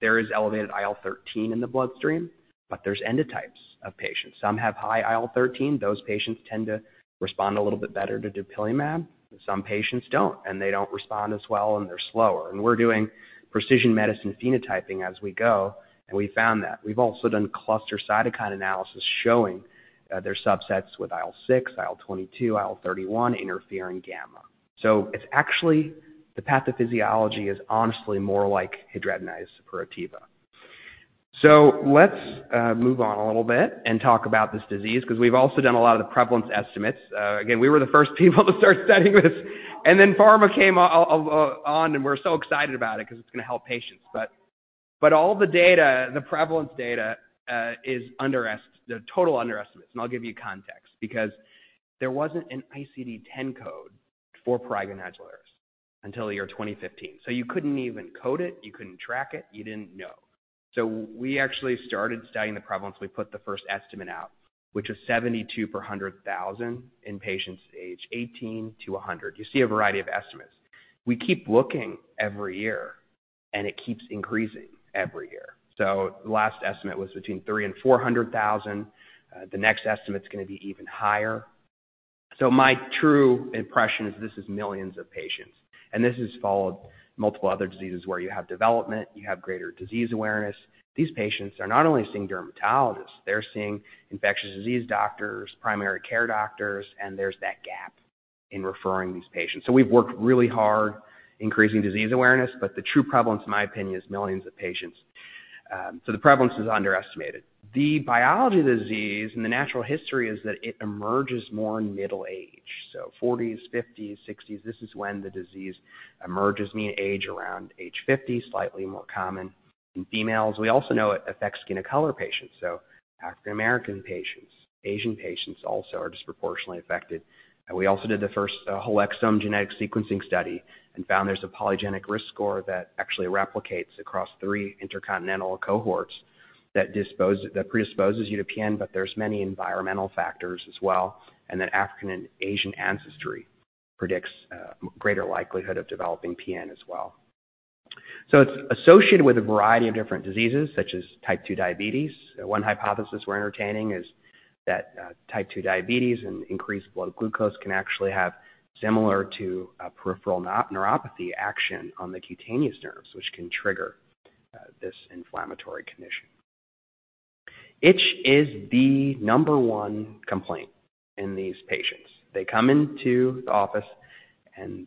there is elevated IL-13 in the bloodstream, but there's endotypes of patients. Some have high IL-13. Those patients tend to respond a little bit better to dupilumab. Some patients don't, and they don't respond as well, and they're slower. We're doing precision medicine phenotyping as we go, and we found that. We've also done cluster cytokine analysis showing their subsets with IL-6, IL-22, IL-31, interferon gamma. So it's actually the pathophysiology is honestly more like hidradenitis suppurativa. So let's move on a little bit and talk about this disease because we've also done a lot of the prevalence estimates. Again, we were the first people to start studying this. And then pharma came on, and we're so excited about it because it's going to help patients. But all the data, the prevalence data, is underestimated, the total underestimates. And I'll give you context because there wasn't an ICD-10 code for prurigo nodularis until the year 2015. So you couldn't even code it. You couldn't track it. You didn't know. So we actually started studying the prevalence. We put the first estimate out, which was 72 per 100,000 in patients age 18 to 100. You see a variety of estimates. We keep looking every year, and it keeps increasing every year. So the last estimate was between 300,000 and 400,000. The next estimate's going to be even higher. So my true impression is this is millions of patients. And this is followed by multiple other diseases where you have development. You have greater disease awareness. These patients are not only seeing dermatologists. They're seeing infectious disease doctors, primary care doctors, and there's that gap in referring these patients. So we've worked really hard increasing disease awareness, but the true prevalence, in my opinion, is millions of patients. So the prevalence is underestimated. The biology of the disease and the natural history is that it emerges more in middle age. So 40s, 50s, 60s, this is when the disease emerges. Mean age around age 50, slightly more common in females. We also know it affects skin of color patients. African-American patients, Asian patients also are disproportionately affected. We also did the first whole exome genetic sequencing study and found there's a polygenic risk score that actually replicates across three intercontinental cohorts that predisposes you to PN, but there's many environmental factors as well. Then African and Asian ancestry predicts greater likelihood of developing PN as well. It's associated with a variety of different diseases such as type 2 diabetes. One hypothesis we're entertaining is that type 2 diabetes and increased blood glucose can actually have similar to peripheral neuropathy action on the cutaneous nerves, which can trigger this inflammatory condition. Itch is the number one complaint in these patients. They come into the office, and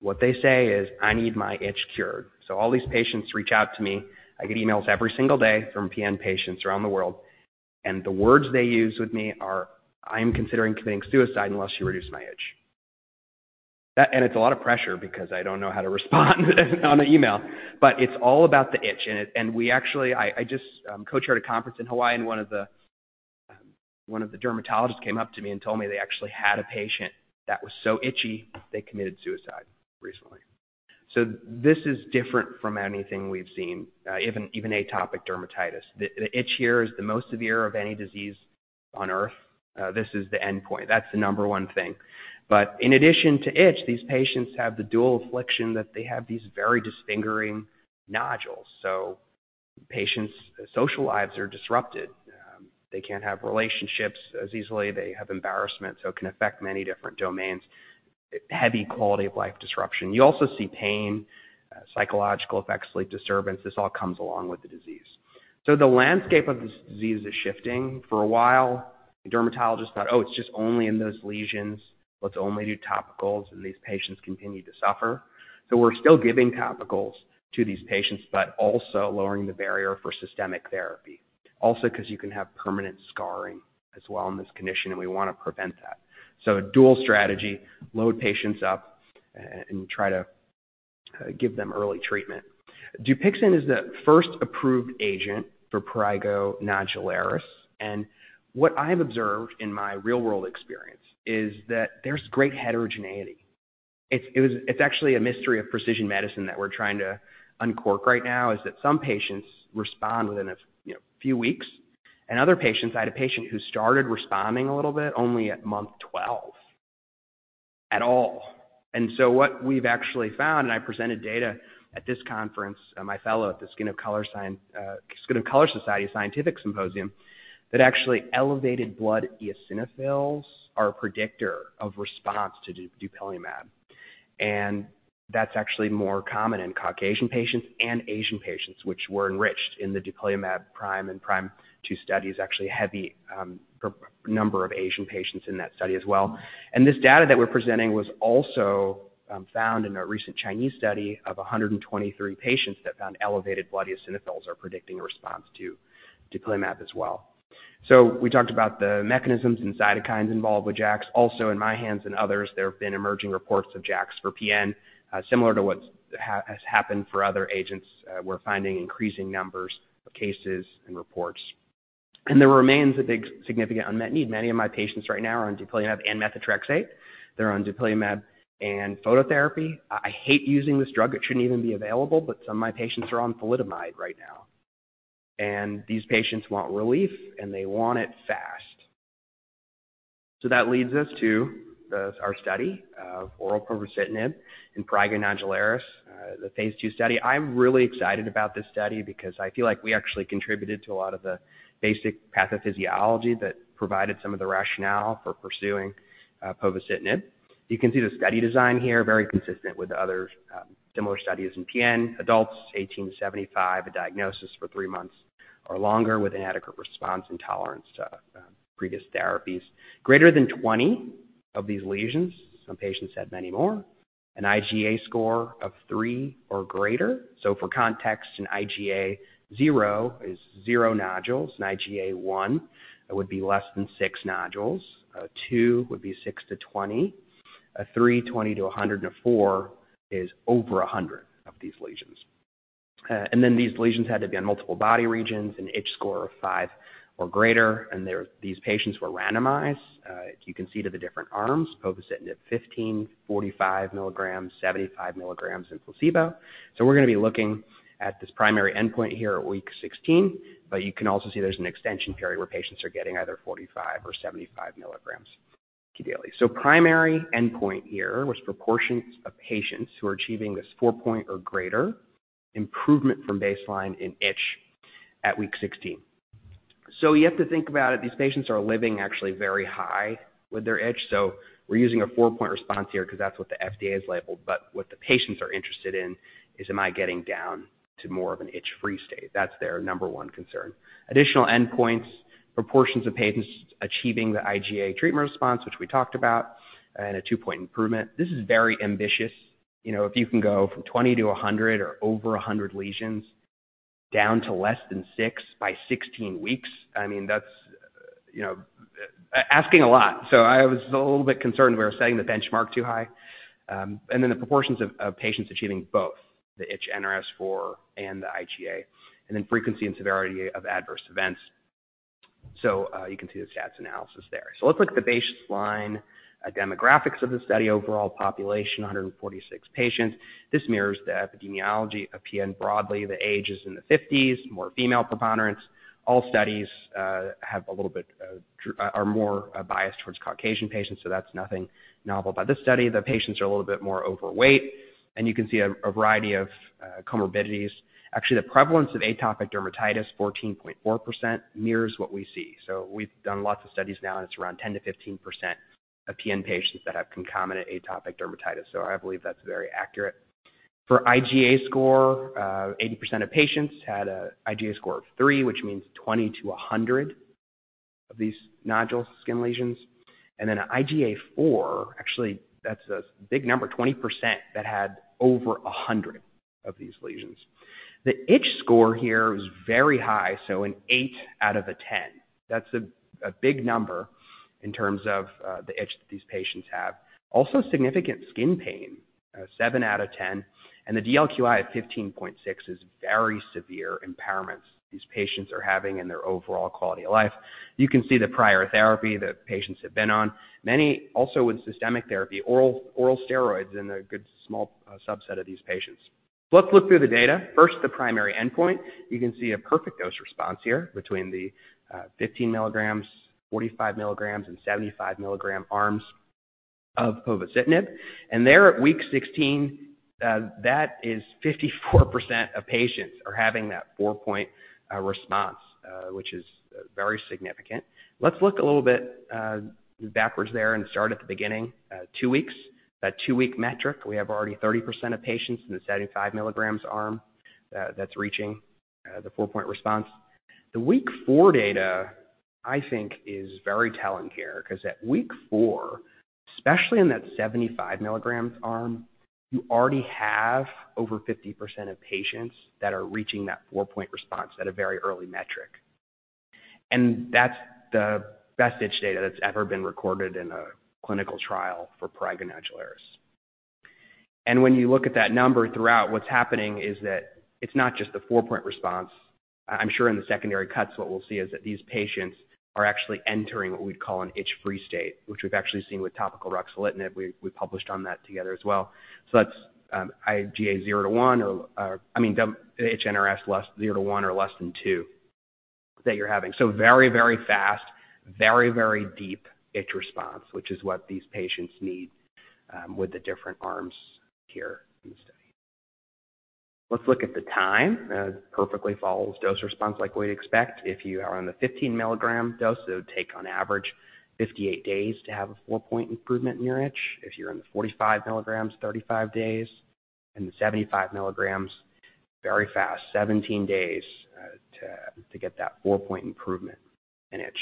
what they say is, "I need my itch cured." All these patients reach out to me. I get emails every single day from PN patients around the world. The words they use with me are, "I am considering committing suicide unless you reduce my itch." It's a lot of pressure because I don't know how to respond on an email. But it's all about the itch. Actually, I just co-chaired a conference in Hawaii, and one of the dermatologists came up to me and told me they actually had a patient that was so itchy they committed suicide recently. So this is different from anything we've seen, even atopic dermatitis. The itch here is the most severe of any disease on Earth. This is the endpoint. That's the number one thing. But in addition to itch, these patients have the dual affliction that they have these very distinguishing nodules. So patients' social lives are disrupted. They can't have relationships as easily. They have embarrassment. So it can affect many different domains, heavy quality of life disruption. You also see pain, psychological effects, sleep disturbance. This all comes along with the disease. So the landscape of this disease is shifting. For a while, dermatologists thought, "Oh, it's just only in those lesions. Let's only do topicals," and these patients continued to suffer. So we're still giving topicals to these patients but also lowering the barrier for systemic therapy, also because you can have permanent scarring as well in this condition, and we want to prevent that. So a dual strategy: load patients up and try to give them early treatment. Dupixent is the first approved agent for prurigo nodularis. And what I've observed in my real-world experience is that there's great heterogeneity. It's actually a mystery of precision medicine that we're trying to uncork right now, is that some patients respond within a few weeks, and other patients I had a patient who started responding a little bit only at month 12 at all. And so what we've actually found, and I presented data at this conference, my fellow at the Skin of Color Society Scientific Symposium, that actually elevated blood eosinophils are a predictor of response to dupilumab. And that's actually more common in Caucasian patients and Asian patients, which were enriched in the dupilumab PRIME and PRIME2 studies, actually a heavy number of Asian patients in that study as well. And this data that we're presenting was also found in a recent Chinese study of 123 patients that found elevated blood eosinophils are predicting a response to dupilumab as well. So we talked about the mechanisms and cytokines involved with JAKs. Also in my hands and others, there have been emerging reports of JAKs for PN, similar to what has happened for other agents. We're finding increasing numbers of cases and reports. There remains a big significant unmet need. Many of my patients right now are on dupilumab and methotrexate. They're on dupilumab and phototherapy. I hate using this drug. It shouldn't even be available, but some of my patients are on thalidomide right now. These patients want relief, and they want it fast. So that leads us to our study of oral povorcitinib and prurigo nodularis, the phase II study. I'm really excited about this study because I feel like we actually contributed to a lot of the basic pathophysiology that provided some of the rationale for pursuing povorcitinib. You can see the study design here, very consistent with the other similar studies in PN. Adults 18 to 75, a diagnosis for three months or longer with inadequate response and tolerance to previous therapies. Greater than 20 of these lesions. Some patients had many more. An IGA score of three or greater. So for context, an IGA 0 is zero nodules. An IGA 1 would be less than six nodules. A two would be six to 20. A three, 20 to 100, and a four is over 100 of these lesions. Then these lesions had to be on multiple body regions, an itch score of five or greater. These patients were randomized. You can see to the different arms, povorcitinib 15 mg, 45 mg, 75 mg, and placebo. So we're going to be looking at this primary endpoint here at week 16. You can also see there's an extension period where patients are getting either 45 or 75 mg daily. Primary endpoint here was proportions of patients who are achieving this four-point or greater improvement from baseline in itch at week 16. You have to think about it. These patients are living actually very high with their itch. We're using a four-point response here because that's what the FDA is labeled. But what the patients are interested in is, am I getting down to more of an itch-free state? That's their number one concern. Additional endpoints, proportions of patients achieving the IGA treatment response, which we talked about, and a two-point improvement. This is very ambitious. You know, if you can go from 20 to 100 or over 100 lesions down to less than six by 16 weeks, I mean, that's, you know, asking a lot. So I was a little bit concerned. We were setting the benchmark too high. And then the proportions of patients achieving both the itch NRS4 and the IGA, and then frequency and severity of adverse events. So you can see the stats analysis there. So let's look at the baseline demographics of the study, overall population, 146 patients. This mirrors the epidemiology of PN broadly. The age is in the 50s, more female preponderance. All studies are a little bit more biased towards Caucasian patients, so that's nothing novel about this study. The patients are a little bit more overweight. And you can see a variety of comorbidities. Actually, the prevalence of atopic dermatitis 14.4% mirrors what we see. So we've done lots of studies now, and it's around 10%-15% of PN patients that have concomitant atopic dermatitis. So I believe that's very accurate. For IGA score, 80% of patients had an IGA score of three, which means 20-100 of these nodules, skin lesions. Then an IGA 4, actually, that's a big number, 20%, that had over 100 of these lesions. The itch score here was very high, so an eight out of a 10. That's a big number in terms of the itch that these patients have. Also significant skin pain, seven out of 10. And the DLQI of 15.6 is very severe impairments these patients are having in their overall quality of life. You can see the prior therapy that patients have been on, many also with systemic therapy, oral steroids in a good small subset of these patients. Let's look through the data. First, the primary endpoint. You can see a perfect dose response here between the 15 mg, 45 mg, and 75 mg arms of povorcitinib. There at week 16, that is 54% of patients are having that four-point response, which is very significant. Let's look a little bit backwards there and start at the beginning, two weeks, that two-week metric. We have already 30% of patients in the 75 mg arm that's reaching the four-point response. The week 4 data, I think, is very telling here because at week 4, especially in that 75 mg arm, you already have over 50% of patients that are reaching that four-point response at a very early metric. And that's the best itch data that's ever been recorded in a clinical trial for prurigo nodularis. And when you look at that number throughout, what's happening is that it's not just the four-point response. I'm sure in the secondary cuts, what we'll see is that these patients are actually entering what we'd call an itch-free state, which we've actually seen with topical ruxolitinib. We published on that together as well. So that's IGA 0-1 or, I mean, the itch, NRS 0-1 or less than two that you're having. So very, very fast, very, very deep itch response, which is what these patients need with the different arms here in the study. Let's look at the time. It perfectly follows dose response like we'd expect. If you are on the 15 mg dose, it would take on average 58 days to have a four-point improvement in your itch. If you're on the 45 mg, 35 days. And the 75 mg, very fast, 17 days to get that four-point improvement in itch.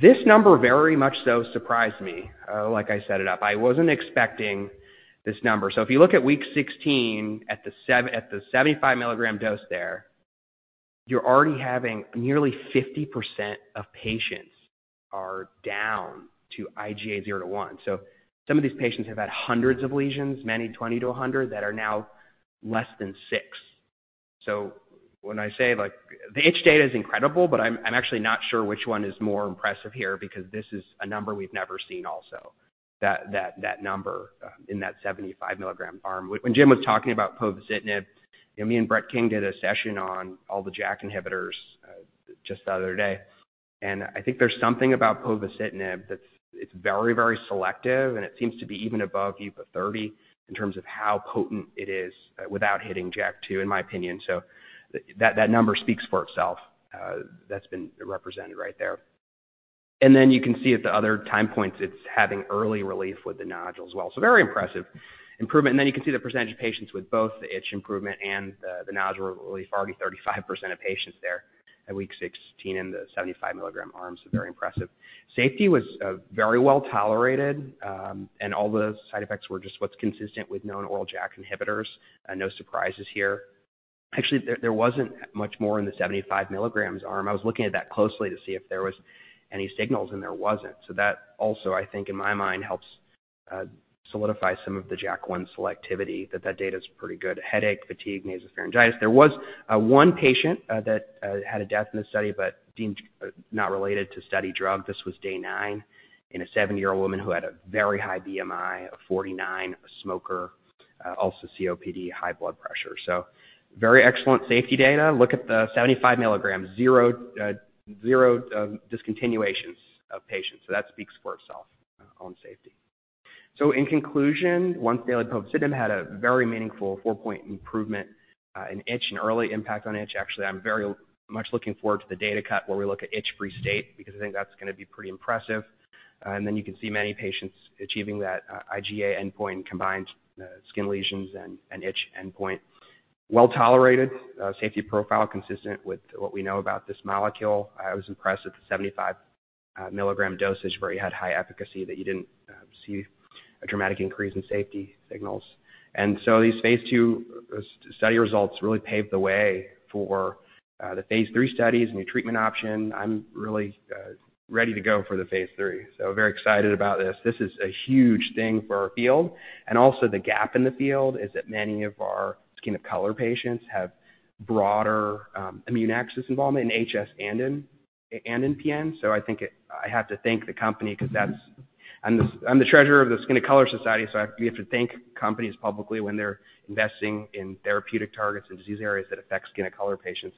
This number very much so surprised me like I set it up. I wasn't expecting this number. So if you look at week 16 at the 75 mg dose there, you're already having nearly 50% of patients are down to IGA 0-1. So some of these patients have had hundreds of lesions, many 20-100, that are now less than six. So when I say the itch data is incredible, but I'm actually not sure which one is more impressive here because this is a number we've never seen also, that number in that 75 mg arm. When Jim was talking about povorcitinib, me and Brett King did a session on all the JAK inhibitors just the other day. I think there's something about povorcitinib that it's very, very selective, and it seems to be even above UPA 30 in terms of how potent it is without hitting JAK2, in my opinion. So that number speaks for itself. That's been represented right there. Then you can see at the other time points, it's having early relief with the nodule as well. So very impressive improvement. Then you can see the percentage of patients with both the itch improvement and the nodule relief, already 35% of patients there at week 16 in the 75-mg arm. So very impressive. Safety was very well tolerated, and all the side effects were just what's consistent with known oral JAK inhibitors. No surprises here. Actually, there wasn't much more in the 75-mg arm. I was looking at that closely to see if there was any signals, and there wasn't. So that also, I think, in my mind, helps solidify some of the JAK1 selectivity, that that data is pretty good. Headache, fatigue, nasopharyngitis. There was one patient that had a death in this study but deemed not related to study drug. This was day nine in a 70-year-old woman who had a very high BMI of 49, a smoker, also COPD, high blood pressure. So very excellent safety data. Look at the 75 mg, zero discontinuations of patients. So that speaks for itself on safety. So in conclusion, once daily povorcitinib had a very meaningful four-point improvement in itch, an early impact on itch, actually, I'm very much looking forward to the data cut where we look at itch-free state because I think that's going to be pretty impressive. And then you can see many patients achieving that IGA endpoint combined skin lesions and itch endpoint. Well tolerated, safety profile consistent with what we know about this molecule. I was impressed at the 75 mg dosage where you had high efficacy that you didn't see a dramatic increase in safety signals. And so these phase II study results really paved the way for the phase III studies, new treatment option. I'm really ready to go for the phase III. So very excited about this. This is a huge thing for our field. And also the gap in the field is that many of our skin of color patients have broader immune axis involvement in HS and in PN. So I think I have to thank the company because that's, I'm the treasurer of the Skin of Color Society, so you have to thank companies publicly when they're investing in therapeutic targets and disease areas that affect skin of color patients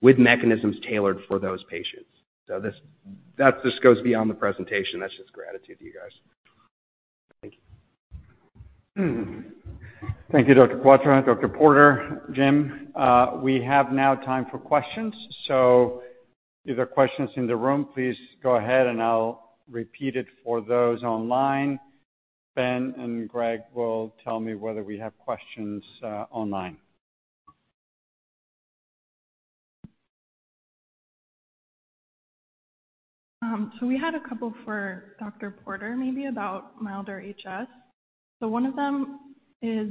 with mechanisms tailored for those patients. So this just goes beyond the presentation. That's just gratitude to you guys. Thank you. Thank you, Dr. Kwatra, Dr. Porter, Jim. We have now time for questions. So if there are questions in the room, please go ahead, and I'll repeat it for those online. Ben and Greg will tell me whether we have questions online. So we had a couple for Dr. Porter maybe about milder HS. So one of them is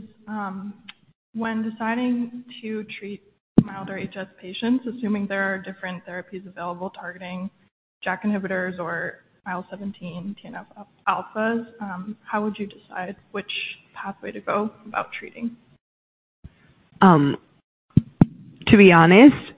when deciding to treat milder HS patients, assuming there are different therapies available targeting JAK inhibitors or IL-17, TNF alphas, how would you decide which pathway to go about treating? To be honest,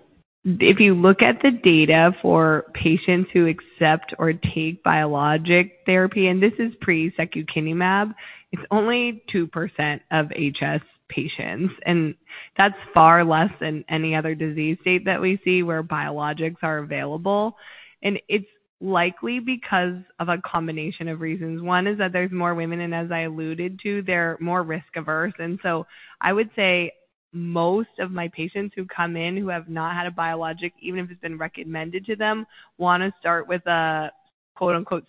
if you look at the data for patients who accept or take biologic therapy, and this is pre-secukinumab, it's only 2% of HS patients. And that's far less than any other disease state that we see where biologics are available. It's likely because of a combination of reasons. One is that there's more women, and as I alluded to, they're more risk-averse. And so I would say most of my patients who come in who have not had a biologic, even if it's been recommended to them, want to start with a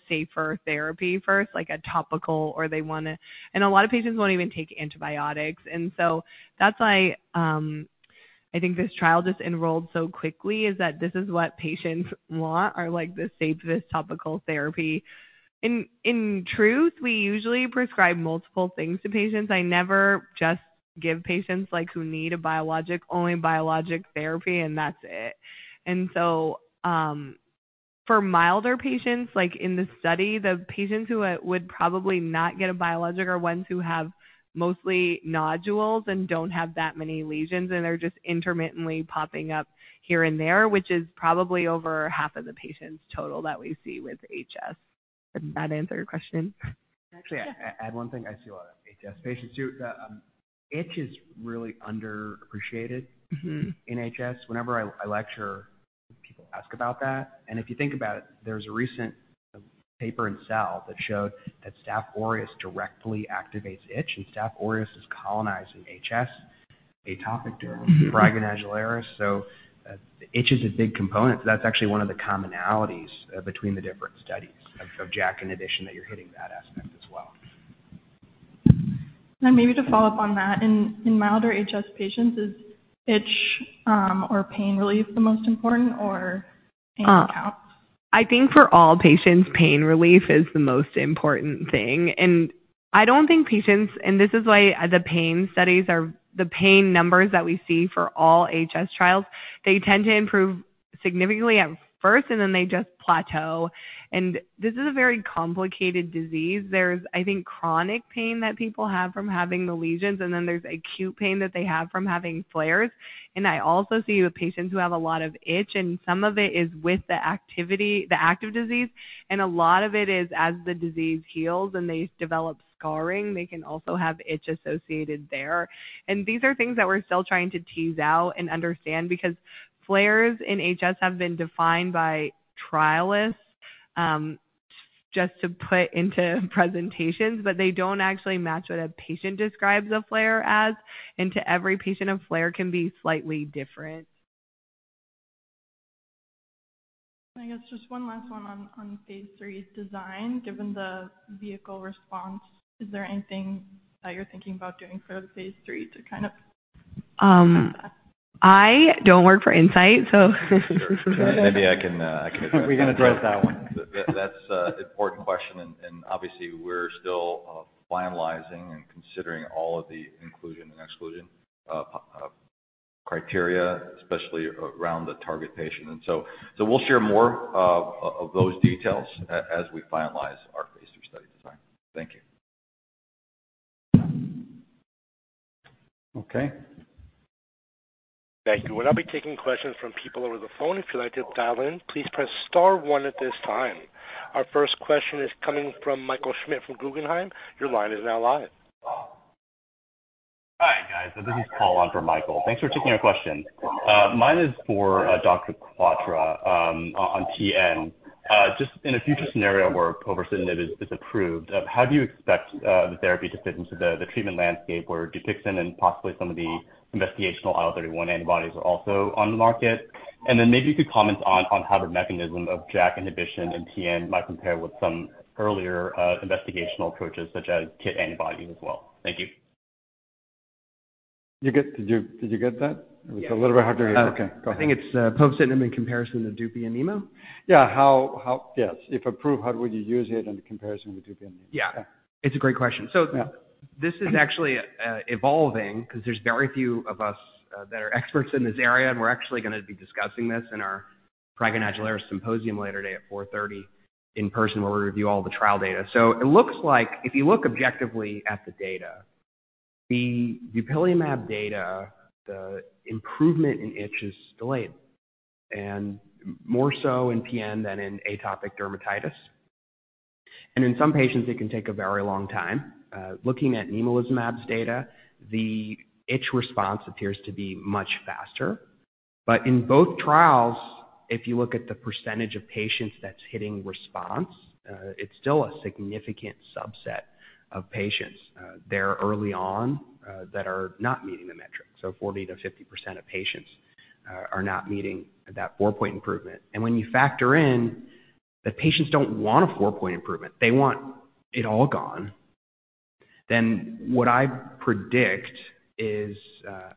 "safer" therapy first, like a topical, or they want to and a lot of patients won't even take antibiotics. And so that's why I think this trial just enrolled so quickly is that this is what patients want, are the safest topical therapy. In truth, we usually prescribe multiple things to patients. I never just give patients who need a biologic only biologic therapy, and that's it. And so for milder patients, in the study, the patients who would probably not get a biologic are ones who have mostly nodules and don't have that many lesions, and they're just intermittently popping up here and there, which is probably over half of the patients total that we see with HS. Did that answer your question? Actually, I add one thing. I see a lot of HS patients, too. The itch is really underappreciated in HS. Whenever I lecture, people ask about that. And if you think about it, there's a recent paper in Cell that showed that Staph aureus directly activates itch, and Staph aureus is colonizing HS, atopic dermatitis, prurigo nodularis. So the itch is a big component. So that's actually one of the commonalities between the different studies of JAK in addition that you're hitting that aspect as well. And maybe to follow up on that, in milder HS patients, is itch or pain relief the most important, or pain counts? I think for all patients, pain relief is the most important thing. And I don't think patients, and this is why, the pain studies are the pain numbers that we see for all HS trials. They tend to improve significantly at first, and then they just plateau. And this is a very complicated disease. There's, I think, chronic pain that people have from having the lesions, and then there's acute pain that they have from having flares. And I also see with patients who have a lot of itch, and some of it is with the active disease. And a lot of it is as the disease heals and they develop scarring, they can also have itch associated there. These are things that we're still trying to tease out and understand because flares in HS have been defined by trialists just to put into presentations, but they don't actually match what a patient describes a flare as. To every patient, a flare can be slightly different. I guess just one last one on phase III design. Given the vehicle response, is there anything that you're thinking about doing for the phase III to kind of add to that? I don't work for Incyte, so. Maybe I can address that one. We're going to address that one. That's an important question. Obviously, we're still finalizing and considering all of the inclusion and exclusion criteria, especially around the target patient. So we'll share more of those details as we finalize our phase III study design. Thank you. Okay. Thank you. We'll now be taking questions from people over the phone. If you'd like to dial in, please press star one at this time. Our first question is coming from Michael Schmidt from Guggenheim. Your line is now live. Hi, guys. This is Paul on from Michael. Thanks for taking our question. Mine is for Dr. Kwatra on PN. Just in a future scenario where povorcitinib is approved, how do you expect the therapy to fit into the treatment landscape where Dupixent and possibly some of the investigational IL-31 antibodies are also on the market? And then maybe you could comment on how the mechanism of JAK inhibition in PN might compare with some earlier investigational approaches such as kit antibodies as well. Thank you. Did you get that? It was a little bit hard to hear. Okay. Go ahead. I think it's povorcitinib in comparison to Dupixent. Yeah. Yes. If approved, how would you use it in comparison with dupilumab? Yeah. It's a great question. So this is actually evolving because there's very few of us that are experts in this area, and we're actually going to be discussing this in our prurigo nodularis symposium later today at 4:30 P.M. in person where we review all the trial data. So it looks like if you look objectively at the data, the dupilumab data, the improvement in itch is delayed, and more so in PN than in atopic dermatitis. And in some patients, it can take a very long time. Looking at nemolizumab's data, the itch response appears to be much faster. But in both trials, if you look at the percentage of patients that's hitting response, it's still a significant subset of patients there early on that are not meeting the metrics. So 40%-50% of patients are not meeting that four-point improvement. And when you factor in that patients don't want a four-point improvement, they want it all gone, then what I predict is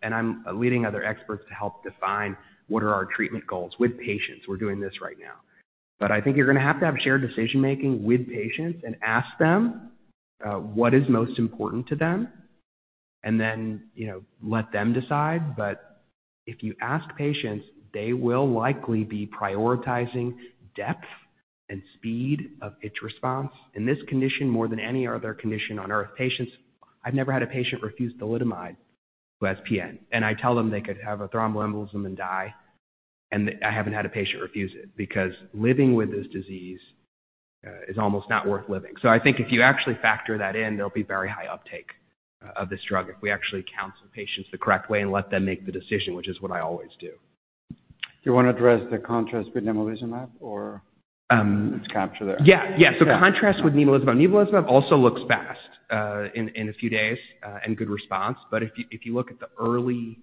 and I'm leading other experts to help define what are our treatment goals with patients. We're doing this right now. But I think you're going to have to have shared decision-making with patients and ask them what is most important to them and then let them decide. But if you ask patients, they will likely be prioritizing depth and speed of itch response in this condition more than any other condition on Earth. I've never had a patient refuse thalidomide who has PN. And I tell them they could have a thromboembolism and die, and I haven't had a patient refuse it because living with this disease is almost not worth living. So I think if you actually factor that in, there'll be very high uptake of this drug if we actually counsel patients the correct way and let them make the decision, which is what I always do. Do you want to address the contrast with nemolizumab or this capture there? Yeah. Yeah. So contrast with nemolizumab. Nemolizumab also looks fast in a few days and good response. But if you look at the early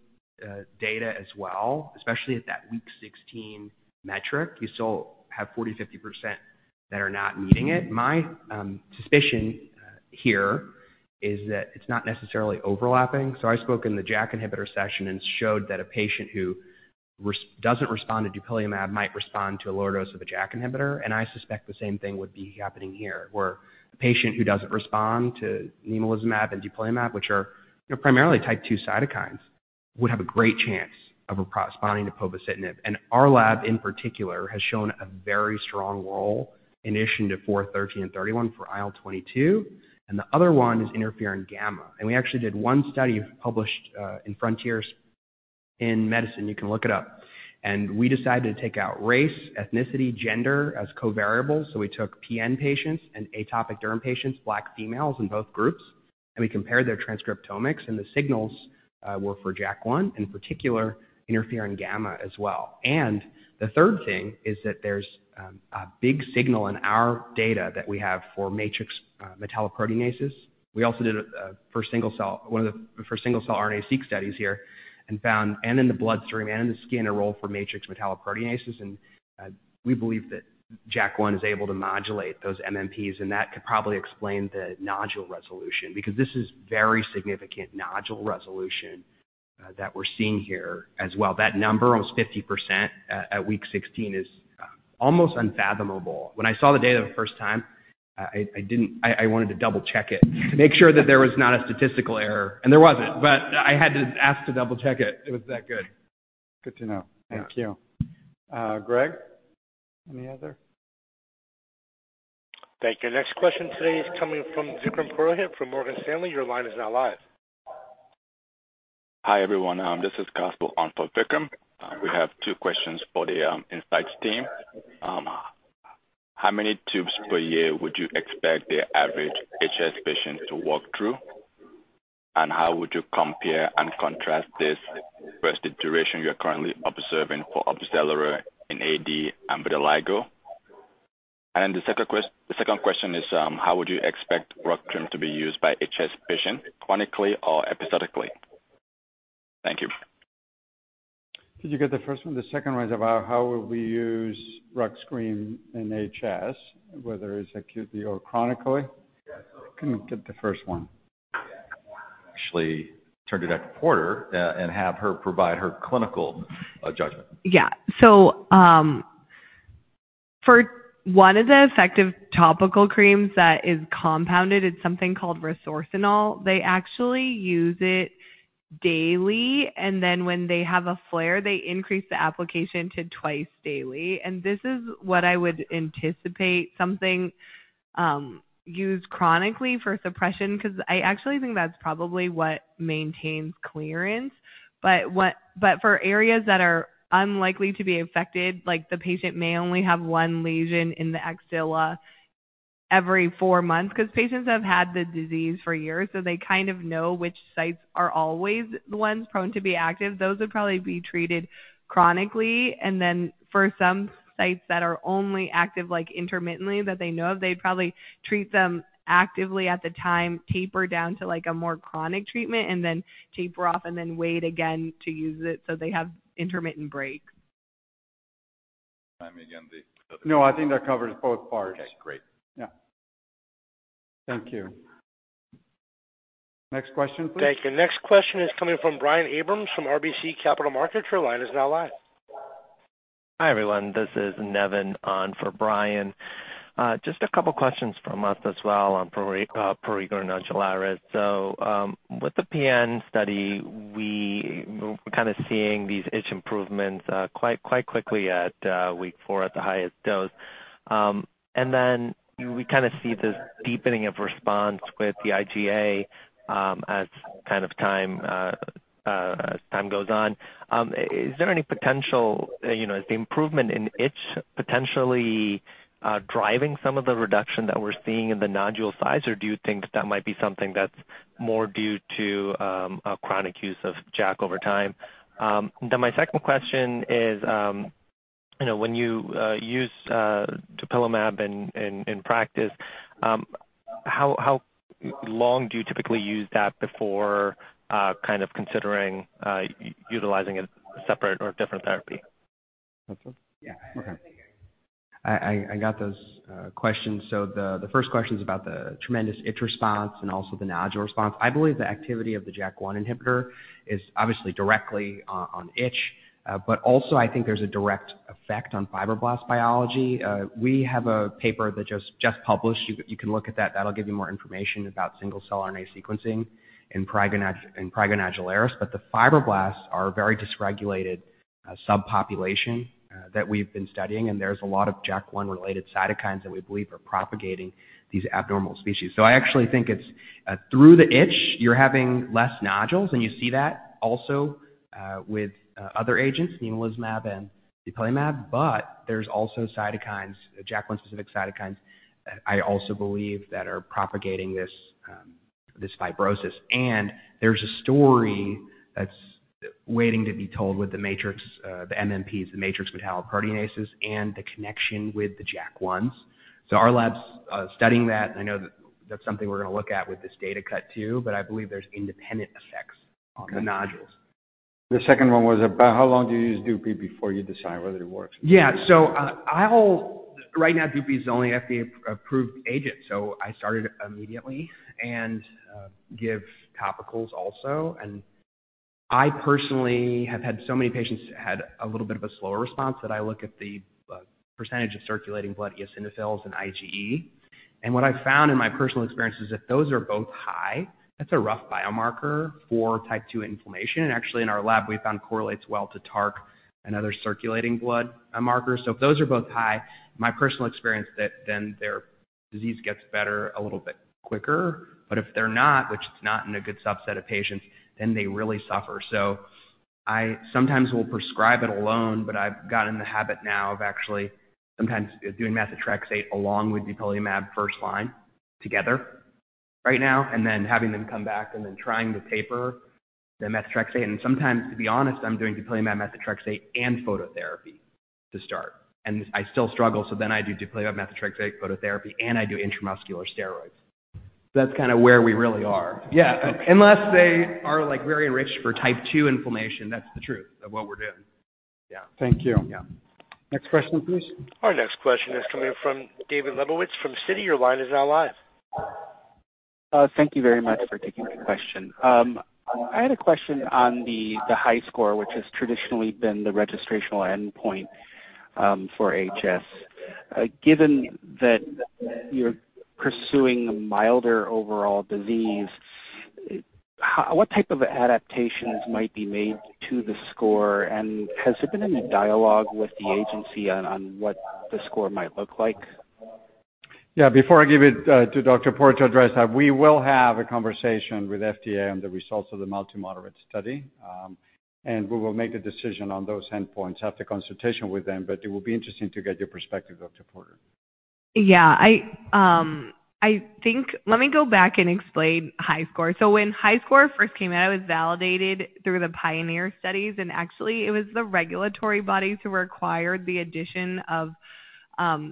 data as well, especially at that week 16 metric, you still have 40%-50% that are not meeting it. My suspicion here is that it's not necessarily overlapping. So I spoke in the JAK inhibitor session and showed that a patient who doesn't respond to dupilumab might respond to a lower dose of a JAK inhibitor. I suspect the same thing would be happening here where a patient who doesn't respond to nemolizumab and dupilumab, which are primarily type 2 cytokines, would have a great chance of responding to povorcitinib. Our lab in particular has shown a very strong role in addition to IL-4 and IL-13 and 31 for IL-22. The other one is interferon gamma. We actually did one study published in Frontiers in Medicine. You can look it up. We decided to take out race, ethnicity, gender as covariables. So we took PN patients and atopic derm patients, Black females in both groups, and we compared their transcriptomics. The signals were for JAK1 in particular, interferon gamma as well. The third thing is that there's a big signal in our data that we have for matrix metalloproteinases. We also did one of the first single-cell RNA-seq studies here and found, and in the bloodstream and in the skin, a role for matrix metalloproteinases. And we believe that JAK1 is able to modulate those MMPs, and that could probably explain the nodule resolution because this is very significant nodule resolution that we're seeing here as well. That number, almost 50% at week 16, is almost unfathomable. When I saw the data the first time, I wanted to double-check it to make sure that there was not a statistical error. And there wasn't, but I had to ask to double-check it. It was that good. Good to know. Thank you. Greg, any other? Thank you. Next question today is coming from Vikram Purohit from Morgan Stanley. Your line is now live. Hi, everyone. This is Gospel on from Vikram. We have two questions for the Incyte team. How many tubes per year would you expect the average HS patient to walk through? And how would you compare and contrast this versus the duration you're currently observing for Opzelura in AD and vitiligo? And then the second question is, how would you expect Opzelura to be used by HS patient, chronically or episodically? Thank you. Did you get the first one? The second one is about how will we use Opzelura in HS, whether it's acutely or chronically? I couldn't get the first one. Actually turned it back to Porter and have her provide her clinical judgment. Yeah. So for one of the effective topical creams that is compounded, it's something called resorcinol. They actually use it daily. And then when they have a flare, they increase the application to twice daily. This is what I would anticipate, something used chronically for suppression because I actually think that's probably what maintains clearance. But for areas that are unlikely to be affected, the patient may only have one lesion in the axilla every four months because patients have had the disease for years, so they kind of know which sites are always the ones prone to be active. Those would probably be treated chronically. And then for some sites that are only active intermittently that they know of, they'd probably treat them actively at the time, taper down to a more chronic treatment, and then taper off, and then wait again to use it so they have intermittent breaks. Tell me again the other. No, I think that covers both parts. Okay. Great. Yeah. Thank you. Next question, please. Thank you. Next question is coming from Brian Abrahams from RBC Capital Markets. Your line is now live. Hi, everyone. This is Nevin on for Brian. Just a couple of questions from us as well on prurigo nodularis. So with the PN study, we're kind of seeing these itch improvements quite quickly at week four at the highest dose. And then we kind of see this deepening of response with the IGA as kind of time goes on. Is there any potential is the improvement in itch potentially driving some of the reduction that we're seeing in the nodule size, or do you think that that might be something that's more due to chronic use of JAK over time? And then my second question is, when you use dupilumab in practice, how long do you typically use that before kind of considering utilizing a separate or different therapy? Yeah. Okay. I got those questions. So the first question is about the tremendous itch response and also the nodule response. I believe the activity of the JAK1 inhibitor is obviously directly on itch, but also I think there's a direct effect on fibroblast biology. We have a paper that just published. You can look at that. That'll give you more information about single-cell RNA sequencing in prurigo nodularis. But the fibroblasts are a very dysregulated subpopulation that we've been studying, and there's a lot of JAK1-related cytokines that we believe are propagating these abnormal species. So I actually think it's through the itch, you're having less nodules, and you see that also with other agents, nemolizumab and dupilumab. But there's also cytokines, JAK1-specific cytokines, I also believe that are propagating this fibrosis. And there's a story that's waiting to be told with the matrix, the MMPs, the matrix metalloproteinases, and the connection with the JAK1s. So our lab's studying that, and I know that's something we're going to look at with this data cut too, but I believe there's independent effects on the nodules. The second one was about how long do you use Dupi before you decide whether it works? Yeah. So right now, Dupi is the only FDA-approved agent, so I started immediately and give topicals also. And I personally have had so many patients had a little bit of a slower response that I look at the percentage of circulating blood eosinophils and IgE. And what I've found in my personal experience is if those are both high, that's a rough biomarker for type 2 inflammation. And actually, in our lab, we found it correlates well to TARC and other circulating blood markers. So if those are both high, in my personal experience, then their disease gets better a little bit quicker. But if they're not, which it's not in a good subset of patients, then they really suffer. So I sometimes will prescribe it alone, but I've gotten in the habit now of actually sometimes doing methotrexate along with dupilumab first line together right now and then having them come back and then trying to taper the methotrexate. And sometimes, to be honest, I'm doing dupilumab, methotrexate, and phototherapy to start. And I still struggle, so then I do dupilumab, methotrexate, phototherapy, and I do intramuscular steroids. So that's kind of where we really are. Yeah. Unless they are very enriched for type 2 inflammation, that's the truth of what we're doing. Yeah. Thank you. Next question, please. Our next question is coming from David Lebowitz from Citi. Your line is now live. Thank you very much for taking my question. I had a question on the HiSCR, which has traditionally been the registrational endpoint for HS. Given that you're pursuing a milder overall disease, what type of adaptations might be made to the score? And has there been any dialogue with the agency on what the score might look like? Yeah. Before I give it to Dr. Porter to address that, we will have a conversation with FDA on the results of the multi-moderate study, and we will make the decision on those endpoints, have the consultation with them. But it will be interesting to get your perspective, Dr. Porter. Yeah. Let me go back and explain HiSCR. So when HiSCR first came out, it was validated through the PIONEER studies. Actually, it was the regulatory bodies who required the addition of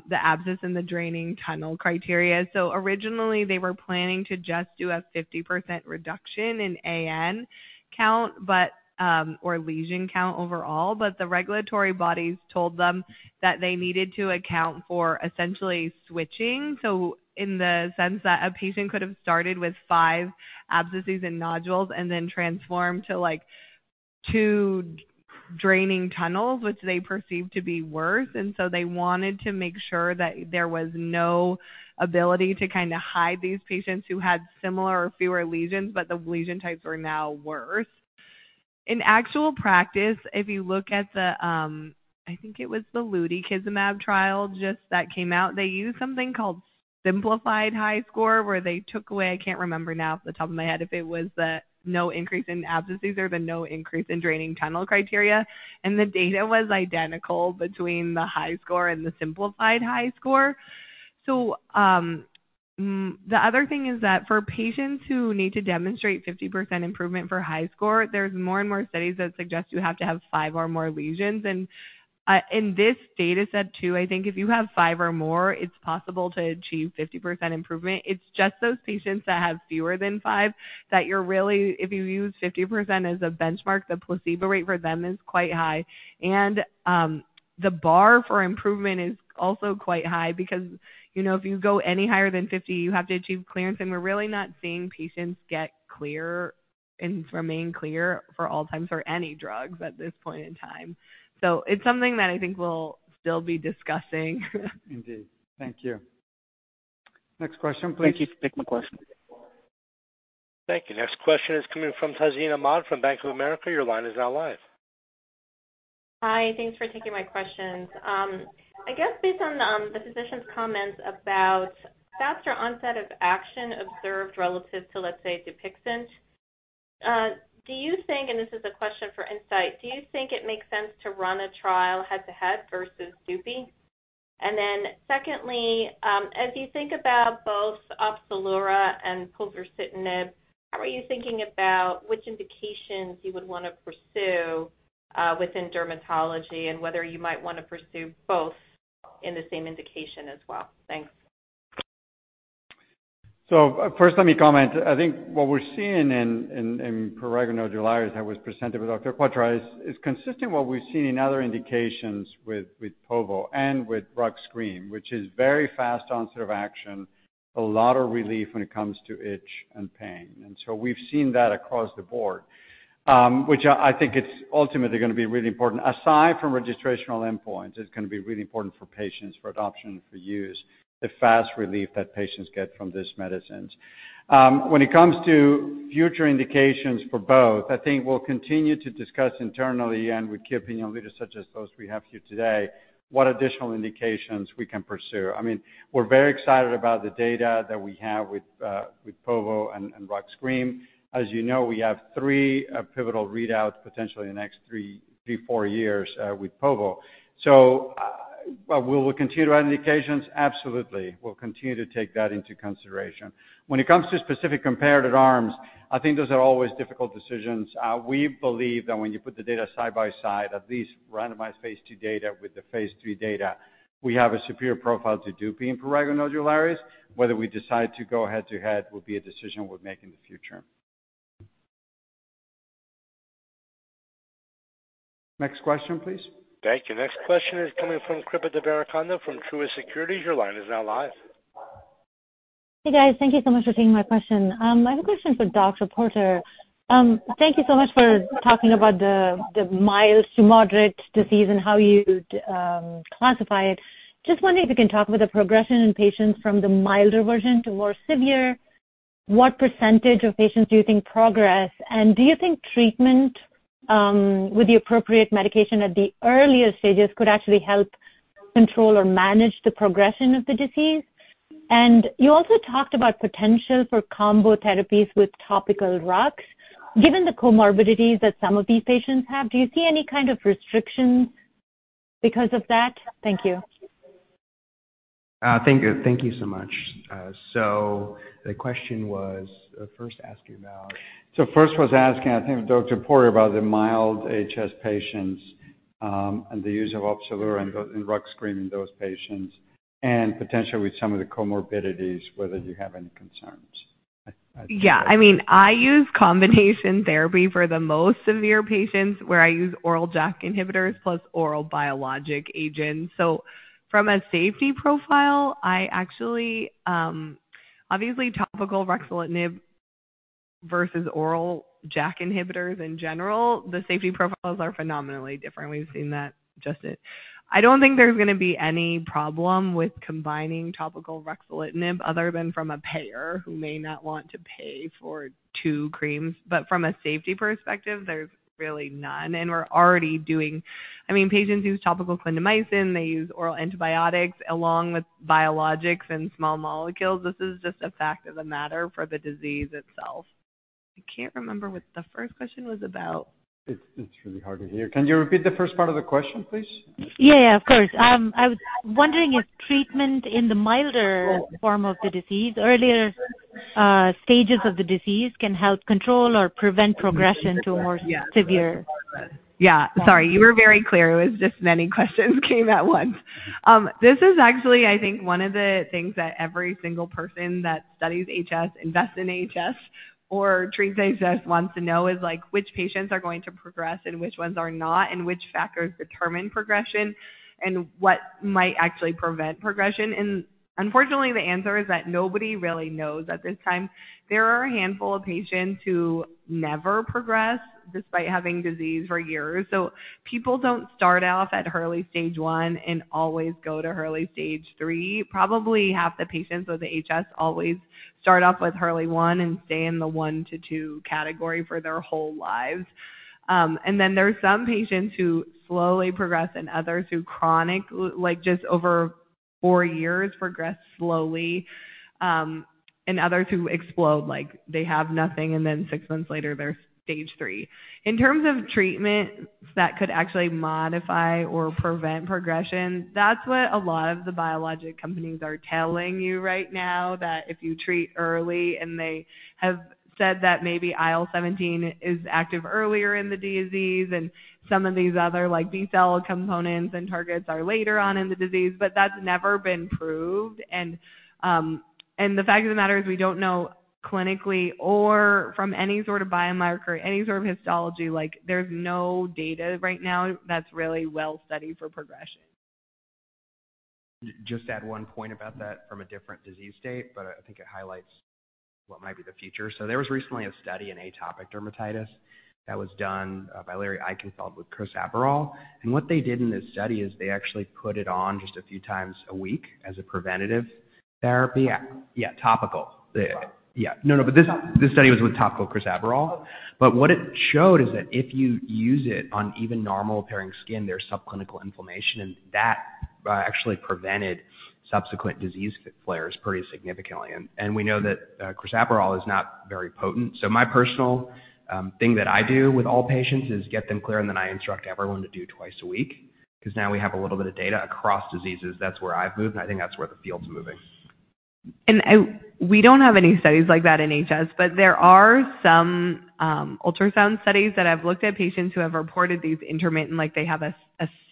the abscess and the draining tunnel criteria. So originally, they were planning to just do a 50% reduction in AN count or lesion count overall. But the regulatory bodies told them that they needed to account for essentially switching, so in the sense that a patient could have started with five abscesses and nodules and then transformed to two draining tunnels, which they perceived to be worse. And so they wanted to make sure that there was no ability to kind of hide these patients who had similar or fewer lesions, but the lesion types were now worse. In actual practice, if you look at the I think it was the lutikizumab trial that came out, they used something called simplified HiSCR where they took away I can't remember now off the top of my head if it was the no increase in abscesses or the no increase in draining tunnel criteria. The data was identical between the HiSCR and the simplified HiSCR. So the other thing is that for patients who need to demonstrate 50% improvement for high score, there's more and more studies that suggest you have to have five or more lesions. And in this data set too, I think if you have five or more, it's possible to achieve 50% improvement. It's just those patients that have fewer than five that you're really if you use 50% as a benchmark, the placebo rate for them is quite high. And the bar for improvement is also quite high because if you go any higher than 50, you have to achieve clearance. And we're really not seeing patients get clear and remain clear for all times for any drugs at this point in time. So it's something that I think we'll still be discussing. Indeed. Thank you. Next question, please. Thank you for taking my question. Thank you. Next question is coming from Tazeen Ahmad from Bank of America. Your line is now live. Hi. Thanks for taking my questions. I guess based on the physician's comments about faster onset of action observed relative to, let's say, Dupixent, do you think and this is a question for Incyte. Do you think it makes sense to run a trial head-to-head versus Dupi? And then secondly, as you think about both Opzelura and povorcitinib, how are you thinking about which indications you would want to pursue within dermatology and whether you might want to pursue both in the same indication as well? Thanks. So first, let me comment. I think what we're seeing in prurigo nodularis that was presented by Dr. Kwatra is consistent with what we've seen in other indications with povo and with rux cream, which is very fast onset of action, a lot of relief when it comes to itch and pain. And so we've seen that across the board, which I think it's ultimately going to be really important. Aside from registrational endpoints, it's going to be really important for patients, for adoption, for use, the fast relief that patients get from these medicines. When it comes to future indications for both, I think we'll continue to discuss internally and with key opinion leaders such as those we have here today what additional indications we can pursue. I mean, we're very excited about the data that we have with Povo and rux cream. As you know, we have three pivotal readouts potentially in the next three, four years with Povo. So will we continue to pursue indications? Absolutely. We'll continue to take that into consideration. When it comes to specific comparative arms, I think those are always difficult decisions. We believe that when you put the data side by side, at least randomized phase II data with the phase III data, we have a superior profile to Dupi in prurigo nodularis. Whether we decide to go head-to-head will be a decision we'll make in the future. Next question, please. Thank you. Next question is coming from Kripa Devarakonda from Truist Securities. Your line is now live. Hey, guys. Thank you so much for taking my question. I have a question for Dr. Porter. Thank you so much for talking about the mild to moderate disease and how you'd classify it. Just wondering if you can talk about the progression in patients from the milder version to more severe. What percentage of patients do you think progress? Do you think treatment with the appropriate medication at the earliest stages could actually help control or manage the progression of the disease? And you also talked about potential for combo therapies with topical rux. Given the comorbidities that some of these patients have, do you see any kind of restrictions because of that? Thank you. Thank you so much. So the question was first asking, I think, Dr. Porter about the mild HS patients and the use of Opzelura and rux cream in those patients and potentially with some of the comorbidities, whether you have any concerns. Yeah. I mean, I use combination therapy for the most severe patients where I use oral JAK inhibitors plus oral biologic agents. So from a safety profile, I actually, obviously, topical ruxolitinib versus oral JAK inhibitors in general, the safety profiles are phenomenally different. We've seen that just in. I don't think there's going to be any problem with combining topical ruxolitinib other than from a payer who may not want to pay for two creams. But from a safety perspective, there's really none. And we're already doing. I mean, patients use topical clindamycin. They use oral antibiotics along with biologics and small molecules. This is just a fact of the matter for the disease itself. I can't remember what the first question was about. It's really hard to hear. Can you repeat the first part of the question, please? Yeah, yeah. Of course. I was wondering if treatment in the milder form of the disease, earlier stages of the disease, can help control or prevent progression to a more severe. Yeah. Sorry. You were very clear. It was just many questions came at once. This is actually, I think, one of the things that every single person that studies HS, invests in HS, or treats HS wants to know is which patients are going to progress and which ones are not and which factors determine progression and what might actually prevent progression. Unfortunately, the answer is that nobody really knows at this time. There are a handful of patients who never progress despite having disease for years. People don't start off at early stage 1 and always go to early stage 3. Probably half the patients with HS always start off with early 1 and stay in the 1-2 category for their whole lives. Then there's some patients who slowly progress and others who chronically, just over four years, progress slowly and others who explode. They have nothing, and then six months later, they're stage 3. In terms of treatments that could actually modify or prevent progression, that's what a lot of the biologic companies are telling you right now, that if you treat early and they have said that maybe IL-17 is active earlier in the disease and some of these other B-cell components and targets are later on in the disease. But that's never been proved. The fact of the matter is we don't know clinically or from any sort of biomarker or any sort of histology, there's no data right now that's really well studied for progression. Just add one point about that from a different disease state, but I think it highlights what might be the future. There was recently a study in atopic dermatitis that was done by Larry Eichenfield with crisaborole. And what they did in this study is they actually put it on just a few times a week as a preventative therapy. Yeah. Topical. Yeah. No, no. But this study was with topical crisaborole. But what it showed is that if you use it on even normal-appearing skin, there's subclinical inflammation. And that actually prevented subsequent disease flares pretty significantly. And we know that crisaborole is not very potent. So my personal thing that I do with all patients is get them clear, and then I instruct everyone to do twice a week because now we have a little bit of data across diseases. That's where I've moved, and I think that's where the field's moving. We don't have any studies like that in HS, but there are some ultrasound studies that I've looked at, patients who have reported these intermittent, like they have a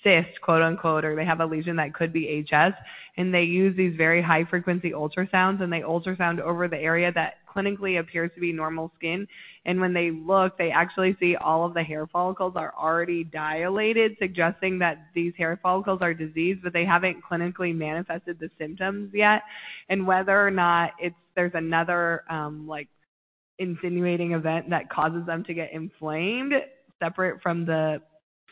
"cyst," or they have a lesion that could be HS. They use these very high-frequency ultrasounds, and they ultrasound over the area that clinically appears to be normal skin. When they look, they actually see all of the hair follicles are already dilated, suggesting that these hair follicles are diseased, but they haven't clinically manifested the symptoms yet. Whether or not there's another insinuating event that causes them to get inflamed, separate from the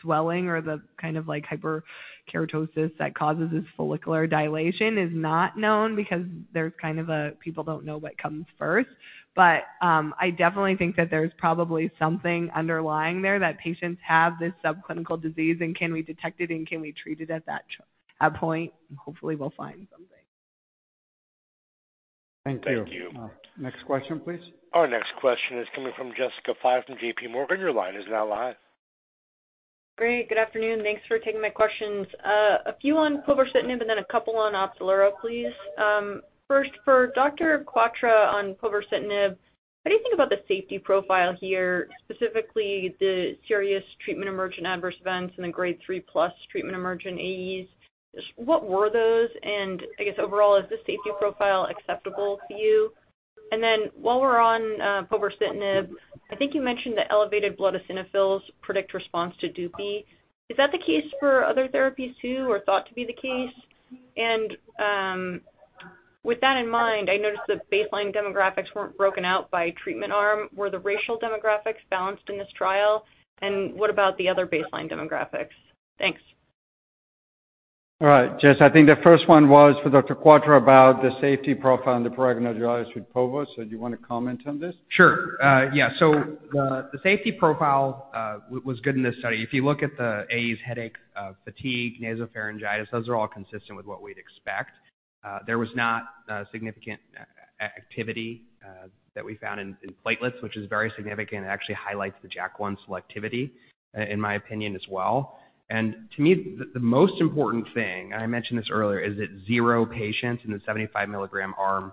swelling or the kind of hyperkeratosis that causes this follicular dilation, is not known because there's kind of, people don't know what comes first. But I definitely think that there's probably something underlying there that patients have this subclinical disease. And can we detect it, and can we treat it at that point? Hopefully, we'll find something. Thank you. Thank you. Next question, please. Our next question is coming from Jessica Fye from JPMorgan. Your line is now live. Great. Good afternoon. Thanks for taking my questions. A few on povorcitinib, and then a couple on Opzelura, please. First, for Dr. Kwatra on povorcitinib, how do you think about the safety profile here, specifically the serious treatment emergent adverse events and the grade 3-plus treatment emergent AEs? What were those? And I guess overall, is the safety profile acceptable to you? And then while we're on povorcitinib, I think you mentioned that elevated blood eosinophils predict response to Dupi. Is that the case for other therapies too or thought to be the case? And with that in mind, I noticed the baseline demographics weren't broken out by treatment arm. Were the racial demographics balanced in this trial? What about the other baseline demographics? Thanks. All right. Jess, I think the first one was for Dr. Kwatra about the safety profile in the prurigo nodularis with povorcitinib. So do you want to comment on this? Sure. Yeah. So the safety profile was good in this study. If you look at the AEs, headache, fatigue, nasopharyngitis, those are all consistent with what we'd expect. There was not significant activity that we found in platelets, which is very significant and actually highlights the JAK1 selectivity, in my opinion, as well. And to me, the most important thing, and I mentioned this earlier, is that zero patients in the 75-mg arm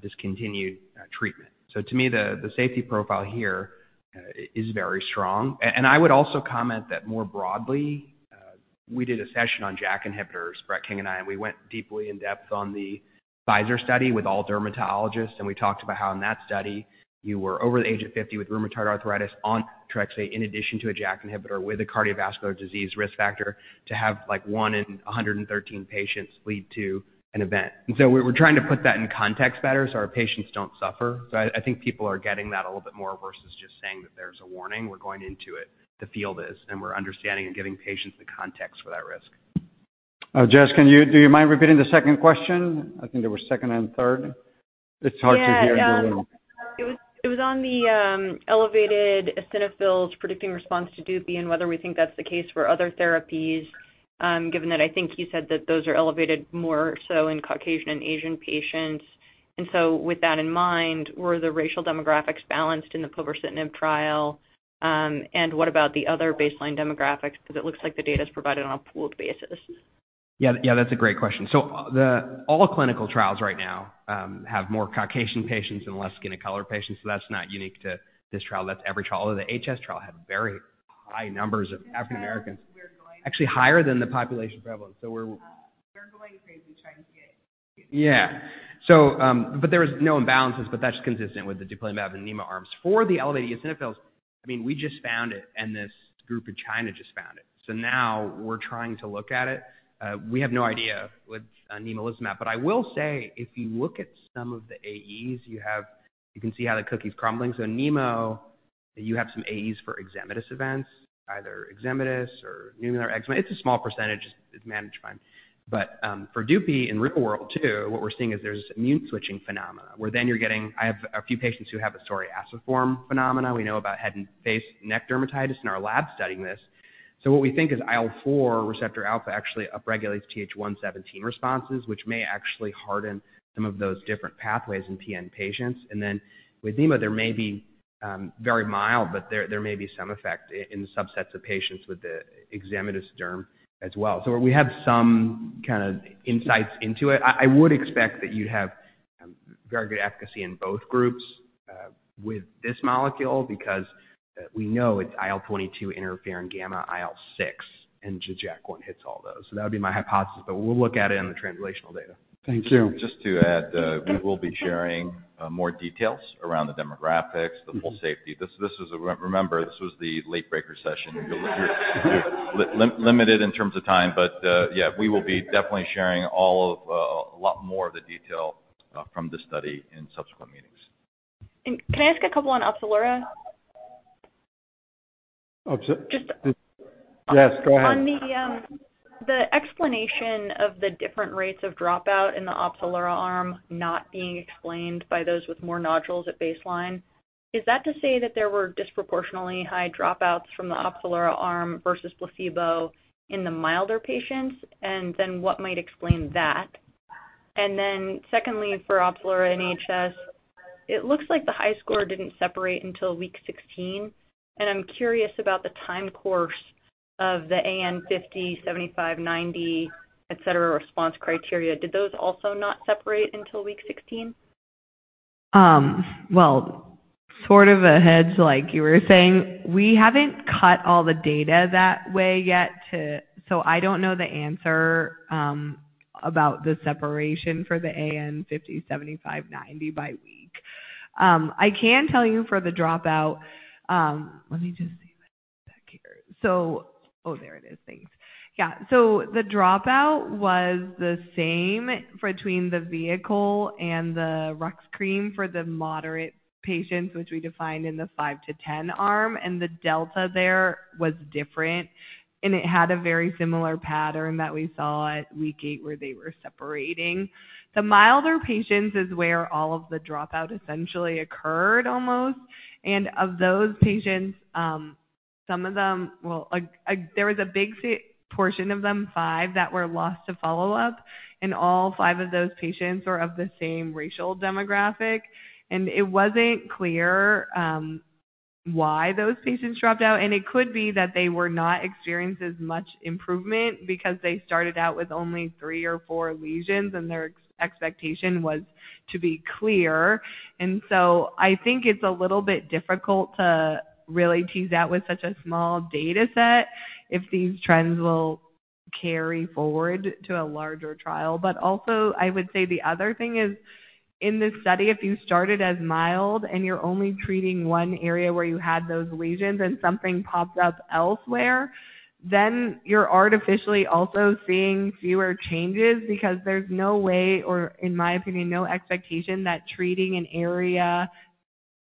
discontinued treatment. So to me, the safety profile here is very strong. I would also comment that more broadly, we did a session on JAK inhibitors, Brett King and I. We went deeply in-depth on the Pfizer study with all dermatologists. We talked about how in that study, you were over the age of 50 with rheumatoid arthritis on methotrexate in addition to a JAK inhibitor with a cardiovascular disease risk factor to have one in 113 patients lead to an event. So we're trying to put that in context better so our patients don't suffer. So I think people are getting that a little bit more versus just saying that there's a warning. We're going into it. The field is. We're understanding and giving patients the context for that risk. Jess, do you mind repeating the second question? I think there was second and third. It's hard to hear in the room. Yeah. Yeah. It was on the elevated eosinophils predicting response to Dupi and whether we think that's the case for other therapies, given that I think you said that those are elevated more so in Caucasian and Asian patients. So with that in mind, were the racial demographics balanced in the povorcitinib trial? And what about the other baseline demographics because it looks like the data is provided on a pooled basis? Yeah. Yeah. That's a great question. So all clinical trials right now have more Caucasian patients and less skin-of-color patients. So that's not unique to this trial. That's every trial. Although the HS trial had very high numbers of African Americans, actually higher than the population prevalence. So we're going crazy trying to get. Yeah. But there was no imbalances, but that's consistent with the dupilumab and nemolizumab arms. For the elevated eosinophils, I mean, we just found it, and this group in China just found it. So now we're trying to look at it. We have no idea with nemolizumab. But I will say if you look at some of the AEs, you can see how the cookie's crumbling. So nemolizumab, you have some AEs for eczematous events, either eczematous or nummular eczema. It's a small percentage. It's managed fine. But for Dupi in real world too, what we're seeing is there's this immune-switching phenomena where then you're getting I have a few patients who have a psoriasiform phenomena. We know about head and face, neck dermatitis in our lab studying this. So what we think is IL-4 receptor alpha actually upregulates Th17 responses, which may actually harden some of those different pathways in PN patients. Then with nemolizumab, there may be very mild, but there may be some effect in subsets of patients with the eczematous derm as well. So we have some kind of insights into it. I would expect that you'd have very good efficacy in both groups with this molecule because we know it's IL-22, interferon gamma, IL-6, and the JAK1 hits all those. So that would be my hypothesis. But we'll look at it in the translational data. Thank you. Just to add, we will be sharing more details around the demographics, the full safety. Remember, this was the late-breaker session. We're limited in terms of time. But yeah, we will be definitely sharing a lot more of the detail from this study in subsequent meetings. And can I ask a couple on Opzelura? Oh, sorry. Just. Yes. Go ahead. On the explanation of the different rates of dropout in the Opzelura arm not being explained by those with more nodules at baseline, is that to say that there were disproportionately high dropouts from the Opzelura arm versus placebo in the milder patients? And then what might explain that? And then secondly, for Opzelura and HS, it looks like the HiSCR didn't separate until week 16. And I'm curious about the time course of the AN50, 75, 90, etc. response criteria. Did those also not separate until week 16? Well, sort of ahead to like you were saying, we haven't cut all the data that way yet. So I don't know the answer about the separation for the AN50, 75, 90 by week. I can tell you for the dropout let me just see if I got that here. So. Oh, there it is. Thanks. Yeah. The dropout was the same between the vehicle and the rux cream for the moderate patients, which we defined in the five to 10 arm. The delta there was different. It had a very similar pattern that we saw at week eight where they were separating. The milder patients is where all of the dropout essentially occurred almost. Of those patients, some of them, well, there was a big portion of them, five, that were lost to follow-up. All five of those patients were of the same racial demographic. It wasn't clear why those patients dropped out. It could be that they were not experiencing as much improvement because they started out with only three or four lesions, and their expectation was to be clear. And so I think it's a little bit difficult to really tease out with such a small dataset if these trends will carry forward to a larger trial. But also, I would say the other thing is in this study, if you started as mild and you're only treating one area where you had those lesions and something pops up elsewhere, then you're artificially also seeing fewer changes because there's no way or, in my opinion, no expectation that treating an area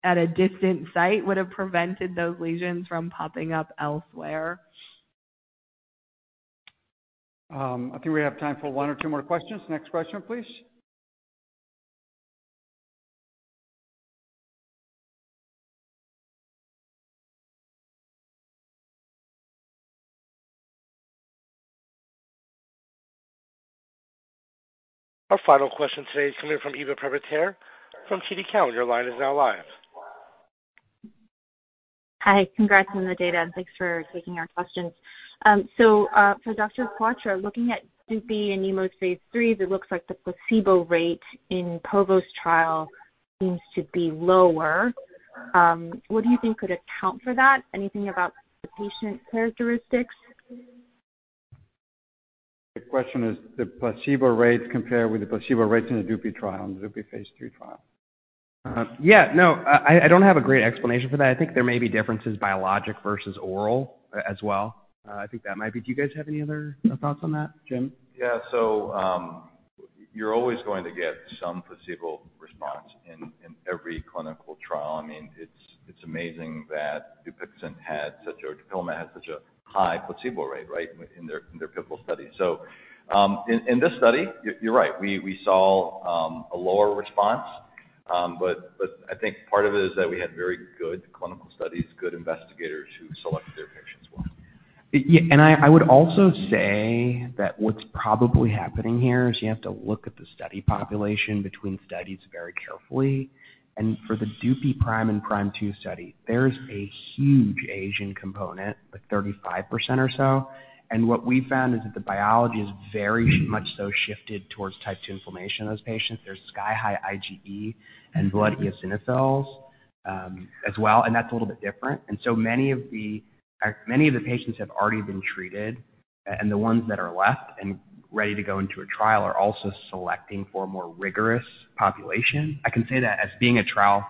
at a distant site would have prevented those lesions from popping up elsewhere. I think we have time for one or two more questions. Next question, please. Our final question today is coming from Eva Privitera from TD Cowen. Your line is now live. Hi. Congrats on the data. And thanks for taking our questions. So for Dr. Kwatra, looking at Dupi and nemolizumab phase IIIs, it looks like the placebo rate in povorcitinib's trial seems to be lower. What do you think could account for that? Anything about the patient characteristics? The question is, the placebo rates compare with the placebo rates in the Dupi trial, in the Dupi phase III trial? Yeah. No. I don't have a great explanation for that. I think there may be differences biologic versus oral as well. I think that might be. Do you guys have any other thoughts on that, Jim? Yeah. So you're always going to get some placebo response in every clinical trial. I mean, it's amazing that Dupixent had such a dupilumab had such a high placebo rate, right, in their pivotal studies. So in this study, you're right. We saw a lower response. But I think part of it is that we had very good clinical studies, good investigators who selected their patients well. Yeah. And I would also say that what's probably happening here is you have to look at the study population between studies very carefully. And for the Dupixent PRIME and PRIME2 study, there's a huge Asian component, like 35% or so. And what we found is that the biology is very much so shifted towards type 2 inflammation in those patients. There's sky-high IgE and blood eosinophils as well. And that's a little bit different. And so many of the patients have already been treated. And the ones that are left and ready to go into a trial are also selecting for a more rigorous population. I can say that as being a trial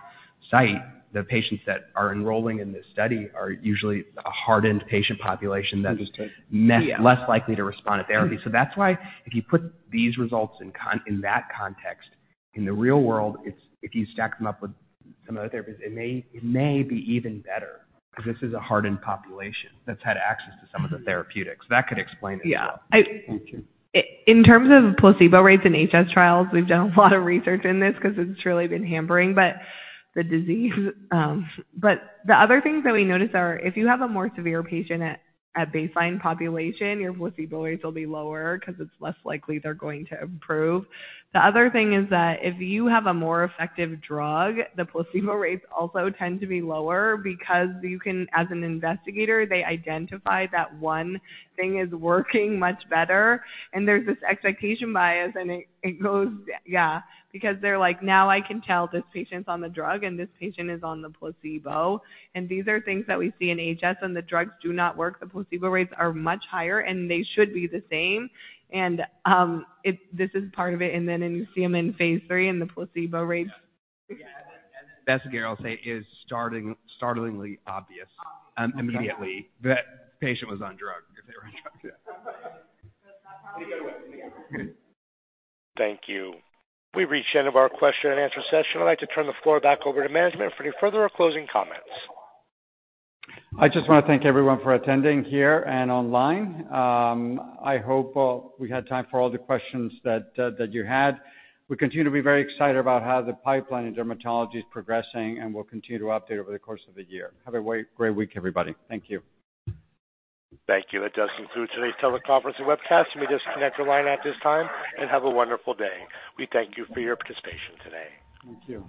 site, the patients that are enrolling in this study are usually a hardened patient population that's less likely to respond to therapy. So that's why if you put these results in that context, in the real world, if you stack them up with some other therapies, it may be even better because this is a hardened population that's had access to some of the therapeutics. That could explain it as well. Thank you. Yeah. In terms of placebo rates in HS trials, we've done a lot of research in this because it's really been hampering the disease. But the other things that we notice are, if you have a more severe patient at baseline population, your placebo rates will be lower because it's less likely they're going to improve. The other thing is that if you have a more effective drug, the placebo rates also tend to be lower because you can, as an investigator, they identify that one thing is working much better. And there's this expectation bias. And it goes, yeah, because they're like, "Now I can tell this patient's on the drug, and this patient is on the placebo." And these are things that we see in HS. When the drugs do not work, the placebo rates are much higher. And they should be the same. And this is part of it. And then you see them in phase III, and the placebo rates. Yeah. That's a good answer. I'll say is startlingly obvious immediately that patient was on drug if they were on drugs. Thank you. We've reached the end of our question and answer session. I'd like to turn the floor back over to management for any further or closing comments. I just want to thank everyone for attending here and online. I hope we had time for all the questions that you had. We continue to be very excited about how the pipeline in dermatology is progressing. We'll continue to update over the course of the year. Have a great week, everybody. Thank you. Thank you. That does conclude today's teleconference and webcast. You may disconnect your line at this time and have a wonderful day. We thank you for your participation today. Thank you.